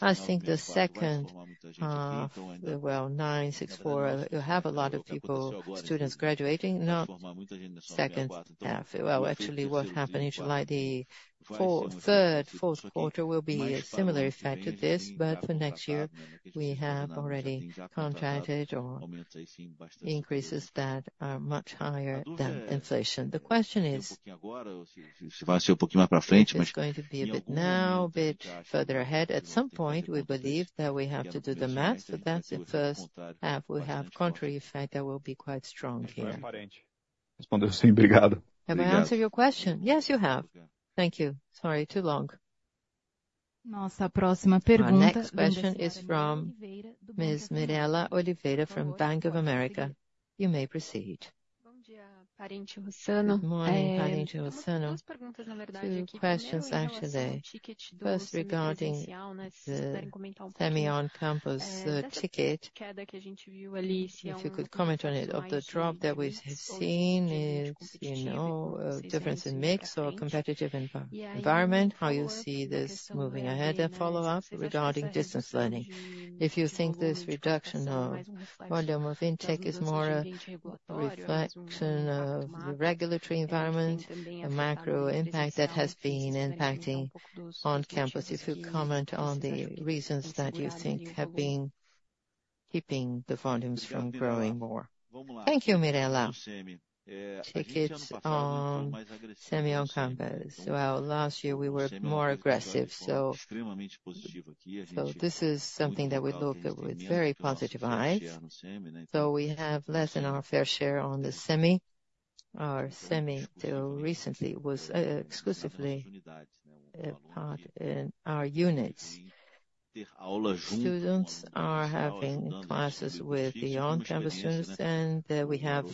I think the second, well, 964, you have a lot of people, students graduating, not second half. Well, actually, what happened in July, the third, fourth quarter will be a similar effect to this, but for next year, we have already contracted or increases that are much higher than inflation. It's going to be a bit now, a bit further ahead. At some point, we believe that we have to do the math, but that's the first half. We have contrary effect that will be quite strong here. Have I answered your question? Yes, you have. Thank you. Sorry, too long. Our next question is from Ms. Mirela Oliveira from Bank of America. You may proceed. Good morning, Parente, Rossano. Two questions actually. First, regarding the semi on-campus ticket, if you could comment on it. Of the drop that we've seen is, you know, a difference in mix or competitive environment, how you see this moving ahead? A follow-up regarding distance learning. If you think this reduction of volume of intake is more a reflection of regulatory environment, a macro impact that has been impacting on-campus, if you could comment on the reasons that you think have been keeping the volumes from growing more? Thank you, Mirela. Tickets on semi on-campus. Well, last year we were more aggressive, so, so this is something that we look at with very positive eyes. So we have less than our fair share on the semi. Our semi, till recently, was exclusively a part in our units. Students are having classes with the on-campus students, and we have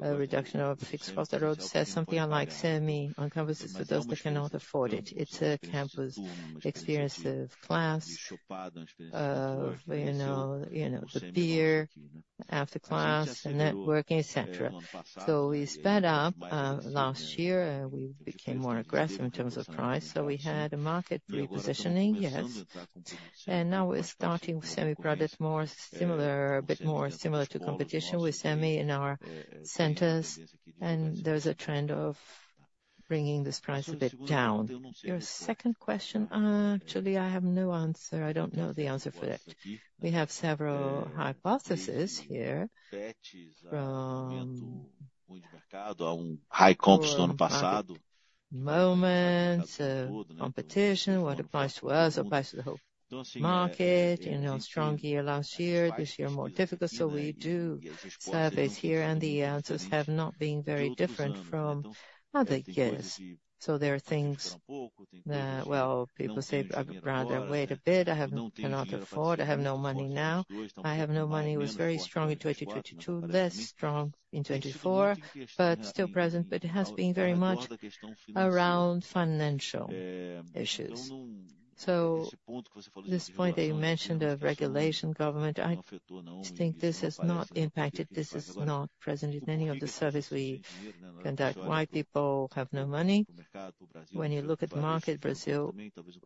a reduction of fixed costs. That says something. Unlike semi on-campus, it is for those that cannot afford it. It's a campus experience of class, you know, you know, the beer after class and networking, et cetera. So we sped up last year, we became more aggressive in terms of price, so we had a market repositioning, yes. And now we're starting semi product, more similar, a bit more similar to competition with semi in our centers, and there's a trend of bringing this price a bit down. Your second question, actually, I have no answer. I don't know the answer for that. We have several hypotheses here, from- High cost Moments, competition, what applies to us or applies to the whole market. You know, strong year, last year. This year, more difficult. So we do surveys here, and the answers have not been very different from other years. So there are things that, well, people say, "I'd rather wait a bit. I have, cannot afford. I have no money now. I have no money." It was very strong in 2022, less strong in 2024, but still present. But it has been very much around financial issues. So this point that you mentioned of regulation government, I think this has not impacted, this is not present in any of the surveys we conduct. Why people have no money? When you look at the market, Brazil,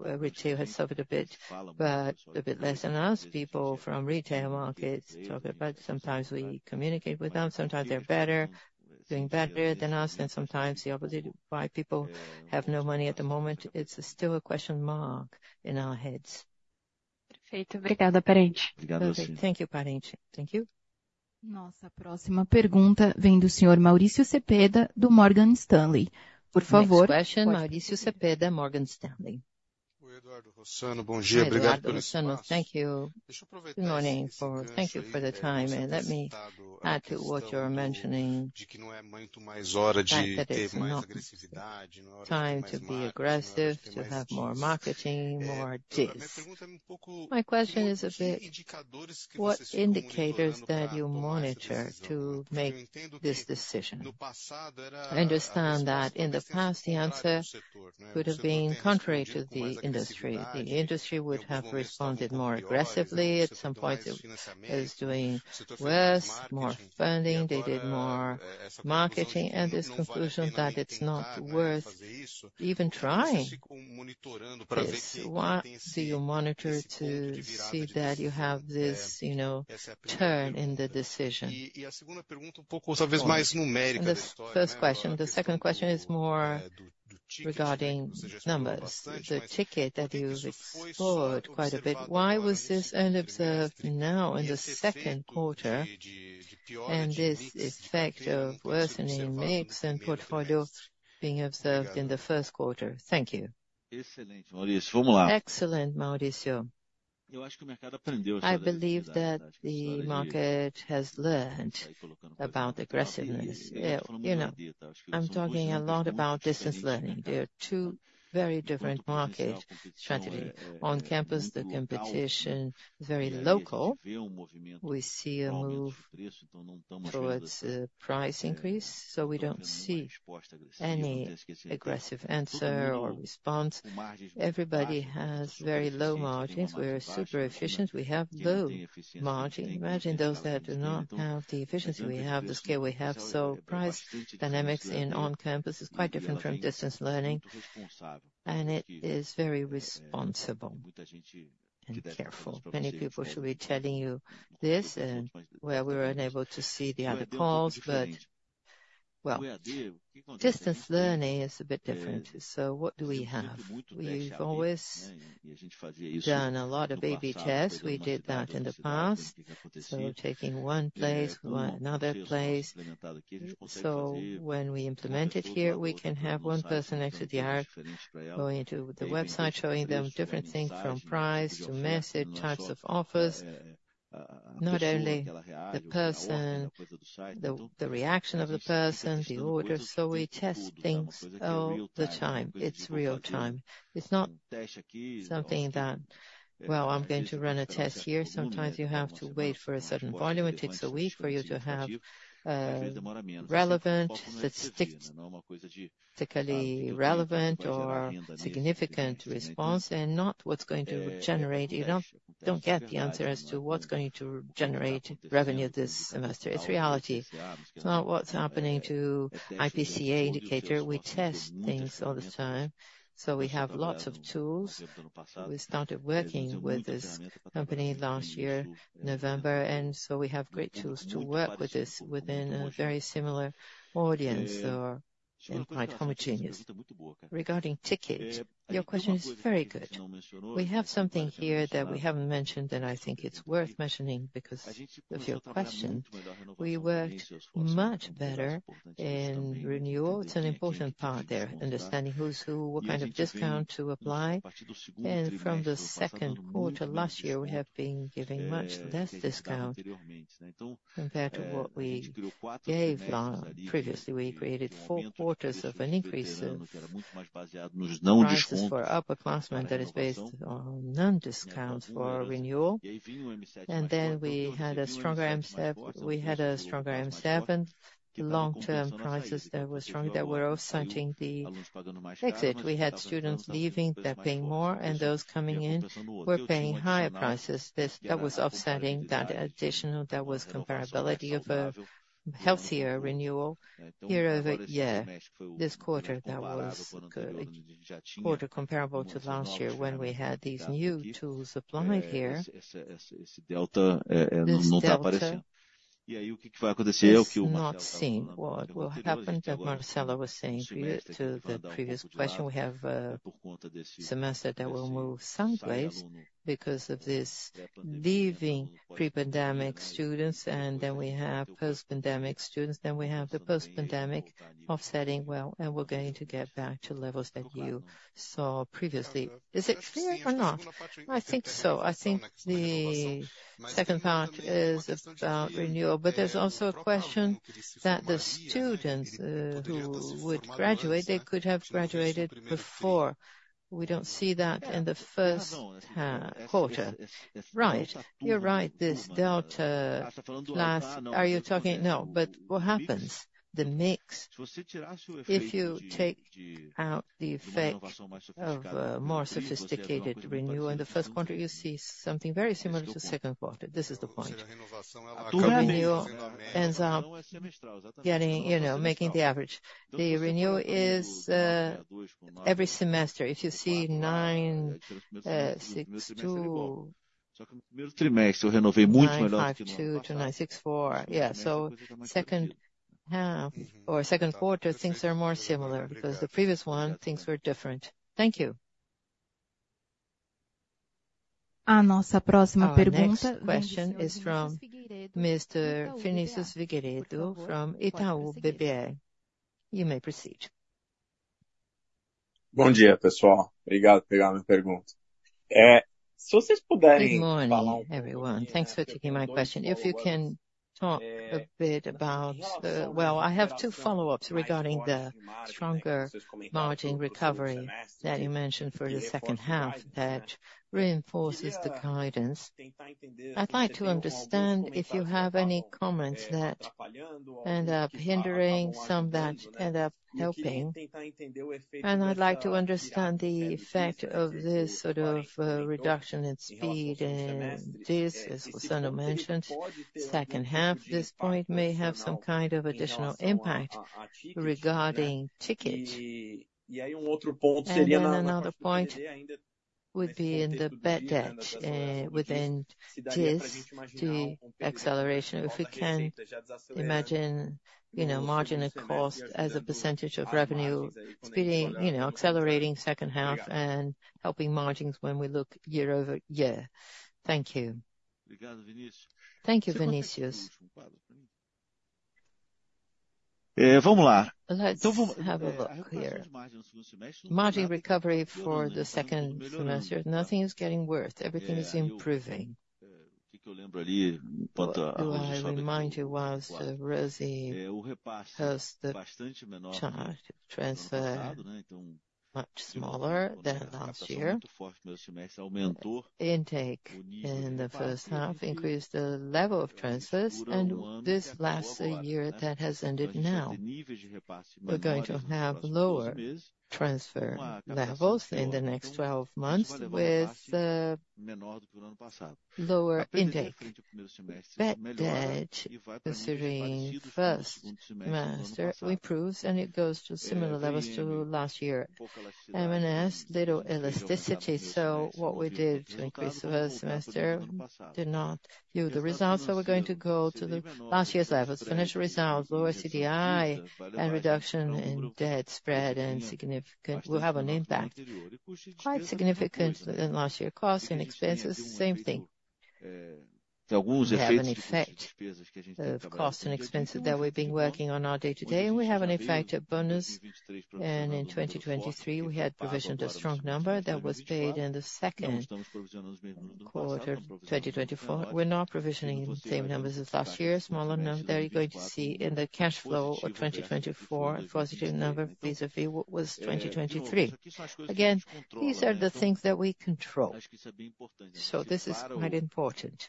retail has suffered a bit, but a bit less than us. People from retail markets talk about, sometimes we communicate with them, sometimes they're better, doing better than us, and sometimes the opposite. Why people have no money at the moment? It's still a question mark in our heads. Thank you, Parente. Thank you. Next question, Mauricio Cepeda, Morgan Stanley. Oi, Eduardo, Rossano. Bon dia, thank you for this space. Thank you. Good morning. Thank you for the time, and let me add to what you're mentioning. The fact that it's not time to be aggressive, to have more marketing, more deals. My question is a bit, what indicators that you monitor to make this decision? I understand that in the past, the answer would have been contrary to the industry. The industry would have responded more aggressively. At some point, it was doing worse, more funding, they did more marketing, and this conclusion that it's not worth even trying this. What do you monitor to see that you have this, you know, turn in the decision? The first question. The second question is more regarding numbers. The ticket that you've explored quite a bit, why was this only observed now in the second quarter, and this effect of worsening mix and portfolio being observed in the first quarter? Thank you. Excellent, Mauricio. I believe that the market has learned about aggressiveness. You know, I'm talking a lot about distance learning. There are two very different market strategy. On campus, the competition is very local. We see a move towards the price increase, so we don't see any aggressive answer or response. Everybody has very low margins. We are super efficient. We have low margin. Imagine those that do not have the efficiency we have, the scale we have. So price dynamics in on-campus is quite different from distance learning, and it is very responsible and careful. Many people should be telling you this, and well, we were unable to see the other calls, but well, distance learning is a bit different. So what do we have? We've always done a lot of AB tests. We did that in the past, so taking one place, another place. So when we implement it here, we can have one person next to the art going into the website, showing them different things, from price to message, types of offers, not only the person, the reaction of the person, the order. So we test things all the time. It's real-time. It's not something that, well, I'm going to run a test here. Sometimes you have to wait for a certain volume. It takes a week for you to have relevant, statistically relevant or significant response, and not what's going to generate. You don't, don't get the answer as to what's going to generate revenue this semester. It's reality. It's not what's happening to IPCA indicator. We test things all the time, so we have lots of tools. We started working with this company last year, November, and so we have great tools to work with this within a very similar audience or quite homogeneous. Regarding ticket, your question is very good. We have something here that we haven't mentioned, and I think it's worth mentioning because of your question. We worked much better in renewal. It's an important part there, understanding who's who, what kind of discount to apply. From the second quarter last year, we have been giving much less discount compared to what we gave, previously. We created four quarters of an increase in prices for upperclassmen that is based on non-discount for renewal. And then we had a stronger M7. We had a stronger M7, long-term prices that were strong, that were offsetting the exit. We had students leaving, they're paying more, and those coming in were paying higher prices. That was offsetting that additional, that was comparability of a healthier year-over-year, yeah, this quarter, that was good. Quarter comparable to last year when we had these new tools applied here. This delta is not seen. What will happen, that Marcelo was saying to the previous question, we have a semester that will move someplace because of this leaving pre-pandemic students, and then we have post-pandemic students, then we have the post-pandemic offsetting well, and we're going to get back to levels that you saw previously. Is it clear or not? I think so. I think the second part is about renewal, but there's also a question that the students who would graduate, they could have graduated before. We don't see that in the first quarter. Right. You're right. This delta last- Are you talking? No, but what happens, the mix, if you take out the effect of a more sophisticated renewal in the first quarter, you see something very similar to second quarter. This is the point. Renewal ends up getting, you know, making the average. The renewal is every semester, if you see 96.2-95.2 to 96.4. Yeah, so second quarter, things are more similar, because the previous one, things were different. Thank you. Our next question is from Mr. Vinicius Figueiredo, from Itaú BBA. You may proceed. Good morning, everyone. Thanks for taking my question. If you can talk a bit about the - well, I have two follow-ups regarding the stronger margin recovery that you mentioned for the second half, that reinforces the guidance. I'd like to understand if you have any comments that end up hindering, some that end up helping. And I'd like to understand the effect of this sort of reduction in speed, and this, as Rossano mentioned, second half, this point may have some kind of additional impact regarding ticket. And then another point would be in the bad debt within this, the acceleration, if we can imagine, you know, margin and cost as a percentage of revenue speeding, you know, accelerating second half and helping margins when we look year-over-year. Thank you. Thank you, Vinicius. Let's have a look here. Margin recovery for the second semester, nothing is getting worse. Everything is improving. Do I remind you once, Rossano, has the transfer much smaller than last year. Intake in the first half increased the level of transfers, and this last year that has ended now, we're going to have lower transfer levels in the next 12 months with the lower intake. Bad debt, considering first semester improves, and it goes to similar levels to last year. S&M, little elasticity, so what we did to increase the first semester did not yield the results, so we're going to go to the last year's levels. Financial results, lower CDI, and reduction in debt spread and significant will have an impact. Quite significant than last year. Costs and expenses, same thing. We have an effect of cost and expenses that we've been working on our day-to-day, and we have an effective bonus. In 2023, we had provisioned a strong number that was paid in the second quarter, 2024. We're not provisioning the same numbers as last year. Smaller number that you're going to see in the cash flow of 2024, positive number vis-a-vis what was 2023. Again, these are the things that we control, so this is quite important.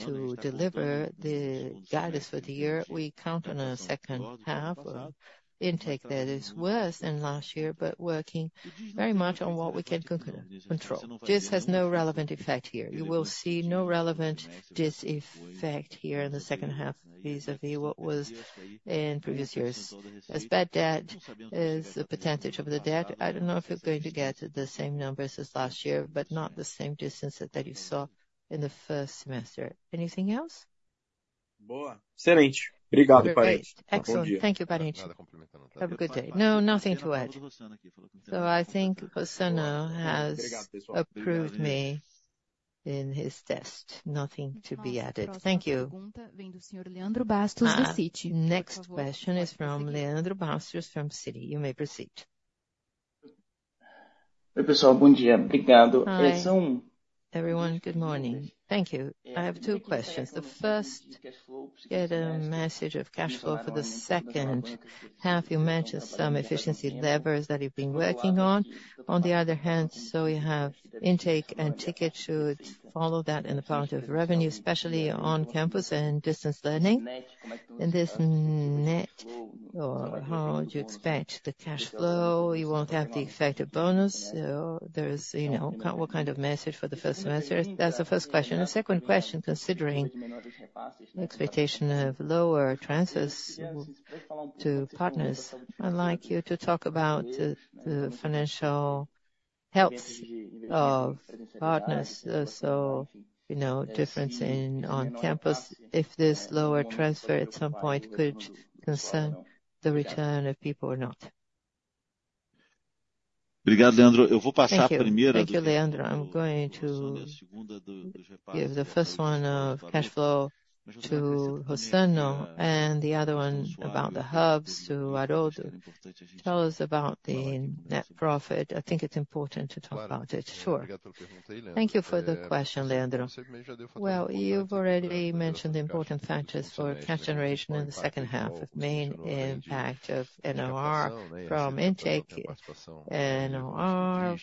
To deliver the guidance for the year, we count on a second half of intake that is worse than last year, but working very much on what we can control. This has no relevant effect here. You will see no relevant dis-effect here in the second half vis-a-vis what was in previous years. As bad debt is a percentage of the debt, I don't know if it's going to get the same numbers as last year, but not the same distance that you saw in the first semester. Anything else? Excellent. Thank you, Parente. Have a good day. No, nothing to add. So I think Rossano has approved me in his test. Nothing to be added. Thank you. Our next question is from Leandro Bastos, from Citi. You may proceed. Hi, everyone. Good morning. Thank you. I have two questions. The first, get a message of cash flow for the second half. You mentioned some efficiency levers that you've been working on. On the other hand, so we have intake and ticket should follow that in the part of revenue, especially on-campus and distance learning. In this NOR, how would you expect the cash flow? You won't have the effective bonus. So there is, you know, what kind of message for the first semester? That's the first question. The second question, considering the expectation of lower transfers to partners, I'd like you to talk about the, the financial health of partners. So, you know, difference in on-campus, if this lower transfer at some point could concern the return of people or not. Thank you. Thank you, Leandro. I'm going to give the first one of cash flow to Rossano and the other one about the hubs to Haroldo. Tell us about the net profit. I think it's important to talk about it. Sure. Thank you for the question, Leandro. Well, you've already mentioned the important factors for cash generation in the second half. The main impact of NOR from intake. NOR,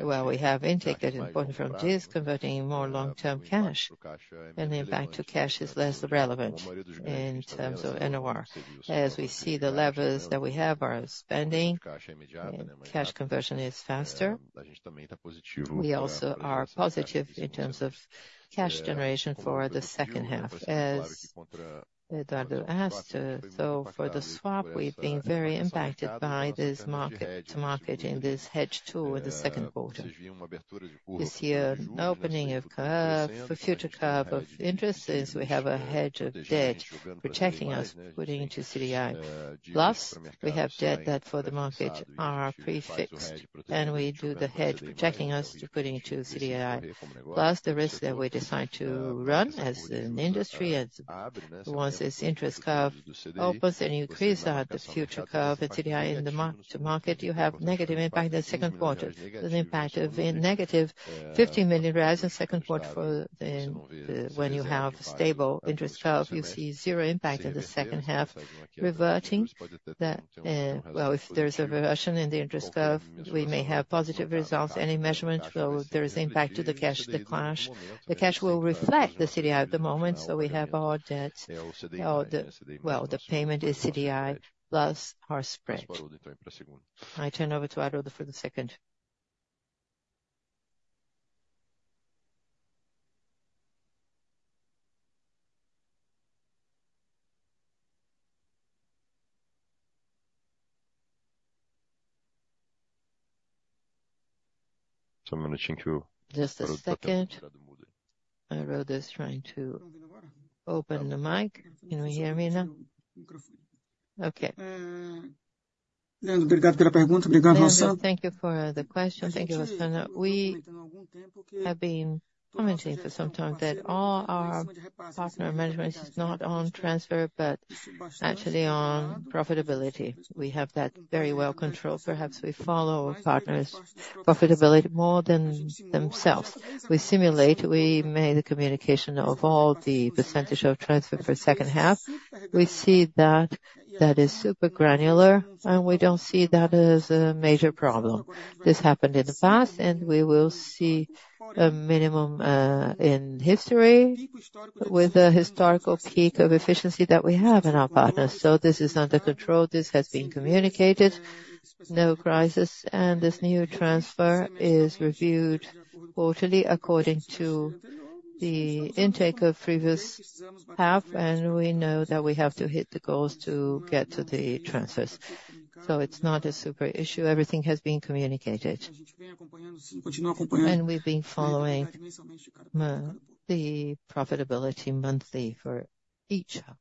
well, we have intake that is important from this, converting more long-term cash, and the impact to cash is less relevant in terms of NOR. As we see, the levers that we have are spending, and cash conversion is faster. We also are positive in terms of cash generation for the second half, as Eduardo asked. So for the swap, we've been very impacted by this market to market in this hedge two in the second quarter. This year, opening of curve, for future curve of interests is we have a hedge of debt protecting us, according to CDI. Plus, we have debt that for the market are prefixed, and we do the hedge, protecting us according to CDI. Plus, the risk that we decide to run as an industry and once this interest curve opens and increase, the future curve and CDI in the mark-to-market, you have negative impact in the second quarter. The impact of a negative 50 million reais rise in second quarter for the when you have stable interest curve, you see zero impact in the second half, reverting that. Well, if there's a reversion in the interest curve, we may have positive results. Any measurement flow, there is impact to the cash decline. The cash will reflect the CDI at the moment, so we have our debts, well, the payment is CDI plus our spread. I turn over to Haroldo for the second.... So I'm gonna thank you. Just a second. I wrote this trying to open the mic. Can you hear me now? Okay. Thank you for the question. Thank you, Gustavo. We have been commenting for some time that all our partner management is not on transfer, but actually on profitability. We have that very well controlled. Perhaps we follow our partners' profitability more than themselves. We simulate, we made the communication of all the percentage of transfer for second half. We see that, that is super granular, and we don't see that as a major problem. This happened in the past, and we will see a minimum in history with a historical peak of efficiency that we have in our partners. So this is under control. This has been communicated. No crisis, and this new transfer is reviewed quarterly according to the intake of previous half, and we know that we have to hit the goals to get to the transfers. So it's not a super issue. Everything has been communicated. We've been following the profitability monthly for each half.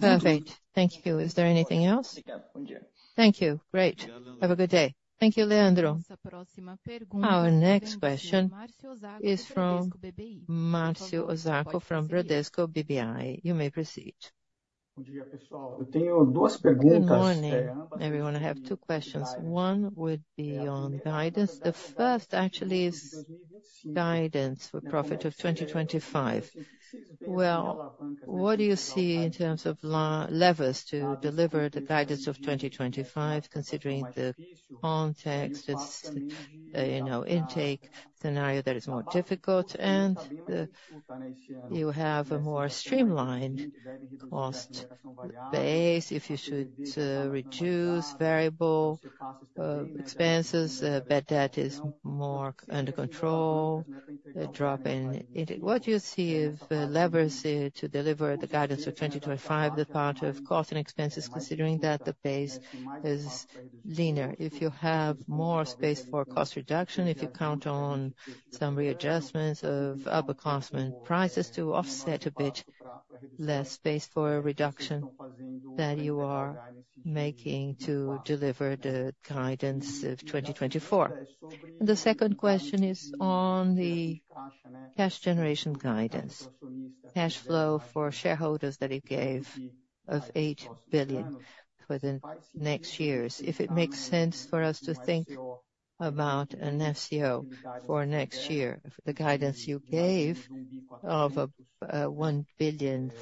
Perfect. Thank you. Is there anything else? Thank you. Great. Have a good day. Thank you, Leandro. Our next question is from Márcio Osako from Bradesco BBI. You may proceed. Good morning, everyone. I have two questions. One would be on guidance. The first actually is guidance for profit of 2025. Well, what do you see in terms of levers to deliver the guidance of 2025, considering the context is, you know, intake scenario that is more difficult, and, you have a more streamlined cost base if you should, reduce variable, expenses, bad debt is more under control, a drop in it. What do you see if, levers, to deliver the guidance for 2025, the part of cost and expenses, considering that the base is leaner? If you have more space for cost reduction, if you count on some readjustments of upper cost and prices to offset a bit less space for a reduction that you are making to deliver the guidance of 2024. The second question is on the cash generation guidance. Cash flow for shareholders that it gave of 8 billion within next years. If it makes sense for us to think about an FCO for next year, the guidance you gave of 1.4 billion.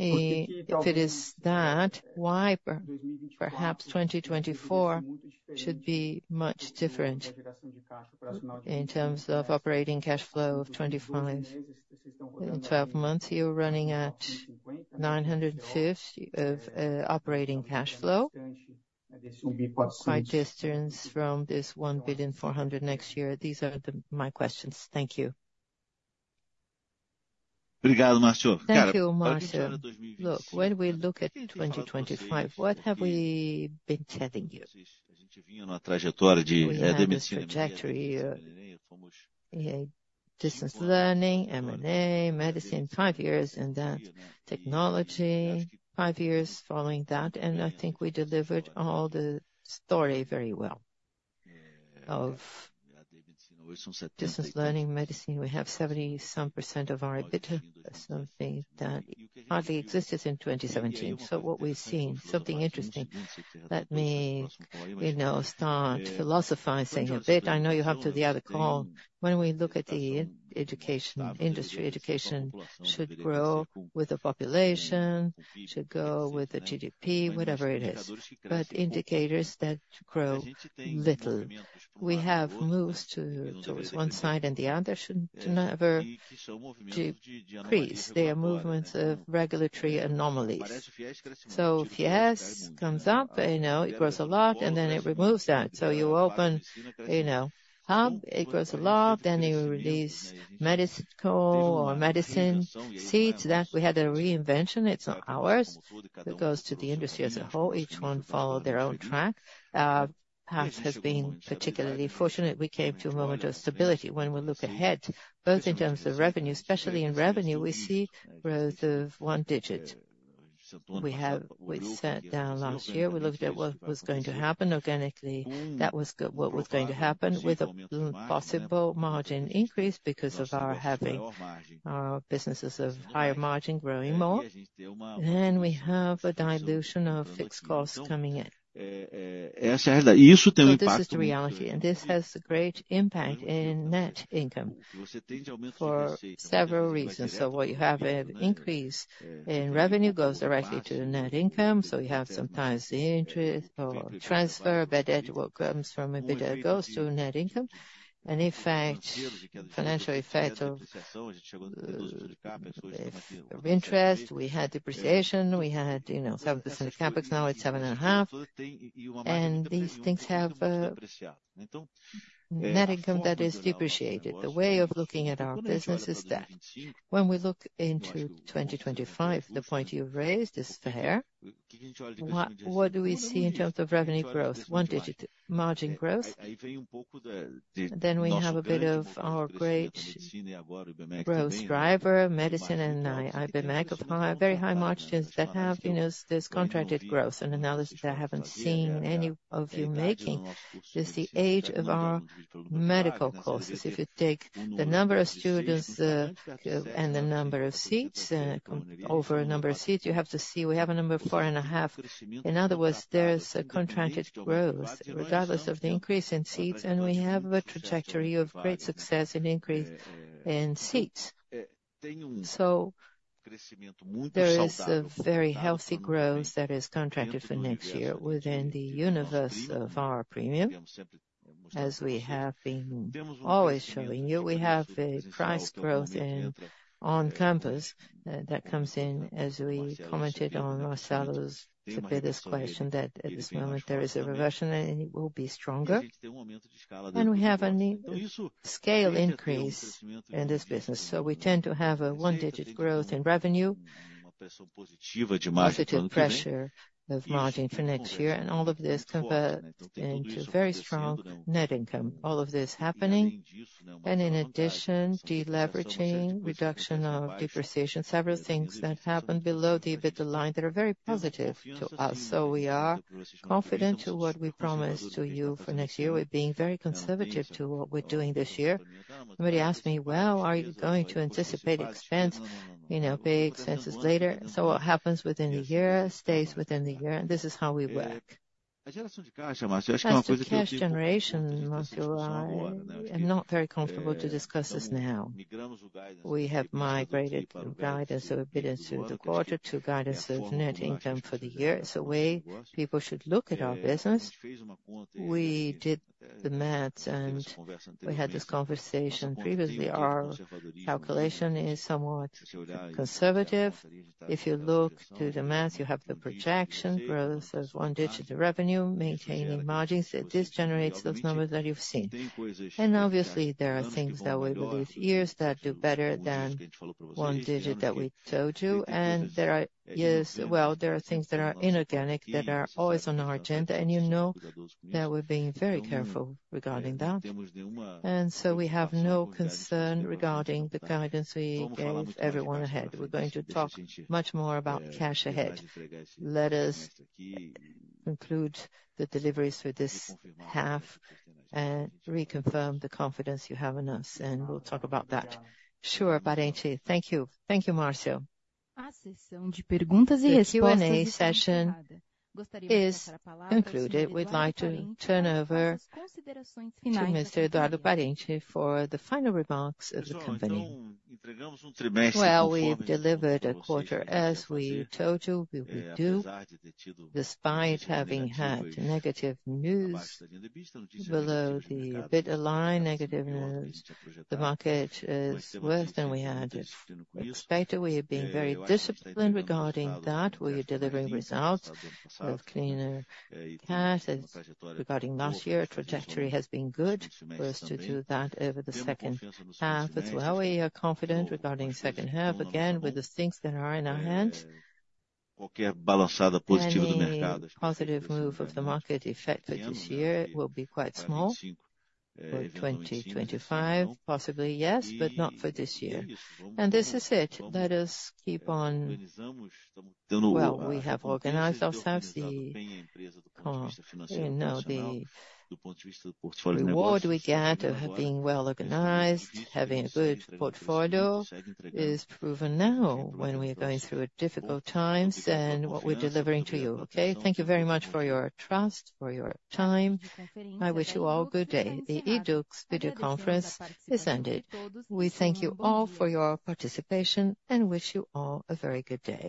If it is that, why perhaps 2024 should be much different in terms of operating cash flow of 25 million? In 12 months, you're running at 950 million of operating cash flow, quite distance from this 1.4 billion next year. These are my questions. Thank you. Thank you, Márcio. Look, when we look at 2025, what have we been telling you? We have this trajectory of distance learning, M&A, medicine, five years, and then technology, five years following that. And I think we delivered all the story very well of distance learning, medicine. We have 70-some% of our EBITDA, something that hardly existed in 2017. So what we've seen, something interesting, let me, you know, start philosophizing a bit. I know you have to the other call. When we look at the education industry, education should grow with the population, should go with the GDP, whatever it is. But indicators that grow little. We have moves to, towards one side and the other, should to never decrease. They are movements of regulatory anomalies. So if FIES comes up, you know, it grows a lot, and then it removes that. So you open, you know, hub, it grows a lot, then you release medical or medicine seats that we had a reinvention. It's not ours. It goes to the industry as a whole. Each one follow their own track. Half has been particularly fortunate. We came to a moment of stability. When we look ahead, both in terms of revenue, especially in revenue, we see growth of one digit. We have, we sat down last year, we looked at what was going to happen organically. That was what was going to happen with a possible margin increase because of our having, our businesses of higher margin growing more. Then we have a dilution of fixed costs coming in. So this is the reality, and this has a great impact in net income for several reasons. So what you have an increase in revenue goes directly to the net income, so you have sometimes the interest or transfer, bad debt, what comes from EBITDA, goes to net income. And in fact, financial effect of, of interest, we had depreciation, we had, you know, some CapEx, now it's 7.5. These things have net income that is depreciated. The way of looking at our business is that when we look into 2025, the point you've raised is fair. What do we see in terms of revenue growth? One digit. Margin growth. Then we have a bit of our great growth driver, medicine and Ibmec of high, very high margins that have, you know, this contracted growth. And another that I haven't seen any of you making is the age of our medical courses. If you take the number of students and the number of seats over a number of seats, you have to see we have a number of 4.5. In other words, there's a contracted growth regardless of the increase in seats, and we have a trajectory of great success and increase in seats. So there is a very healthy growth that is contracted for next year within the universe of our premium, as we have been always showing you. We have a price growth on campus, that comes in, as we commented on Marcelo's previous question, that at this moment there is a reversion and it will be stronger. And we have a new scale increase in this business. So we tend to have a 1-digit growth in revenue, positive pressure of margin for next year, and all of this convert into very strong net income. All of this happening, and in addition, deleveraging, reduction of depreciation, several things that happen below the EBITDA line that are very positive to us. So we are confident to what we promised to you for next year. We're being very conservative to what we're doing this year. Somebody asked me: "Well, are you going to anticipate expense, you know, pay expenses later?" So what happens within the year, stays within the year, and this is how we work. As to cash generation, Márcio, I am not very comfortable to discuss this now. We have migrated guidance of EBITDA through the quarter to guidance of net income for the year. It's a way people should look at our business. We did the math, and we had this conversation previously. Our calculation is somewhat conservative. If you look to the math, you have the projection growth of one digit revenue, maintaining margins, that this generates those numbers that you've seen. And obviously, there are things that we believe years that do better than one digit that we told you. There are, yes, well, there are things that are inorganic that are always on our agenda, and you know that we're being very careful regarding that. So we have no concern regarding the guidance we gave everyone ahead. We're going to talk much more about cash ahead. Let us conclude the deliveries with this half, and reconfirm the confidence you have in us, and we'll talk about that. Sure, Parente. Thank you. Thank you, Márcio. The Q&A session is concluded. We'd like to turn over to Mr. Eduardo Parente for the final remarks of the company. Well, we've delivered a quarter as we told you we would do, despite having had negative news below the EBITDA line, negative news. The market is worse than we had expected. We have been very disciplined regarding that. We are delivering results with cleaner cash. As regarding last year, trajectory has been good for us to do that over the second half as well. We are confident regarding second half, again, with the things that are in our hands. Any positive move of the market effected this year will be quite small for 2025. Possibly yes, but not for this year. And this is it. Let us keep on... Well, we have organized ourselves. The, you know, the reward we get of being well organized, having a good portfolio is proven now when we are going through difficult times and what we're delivering to you, okay? Thank you very much for your trust, for your time. I wish you all good day. The YDUQS video conference is ended. We thank you all for your participation, and wish you all a very good day.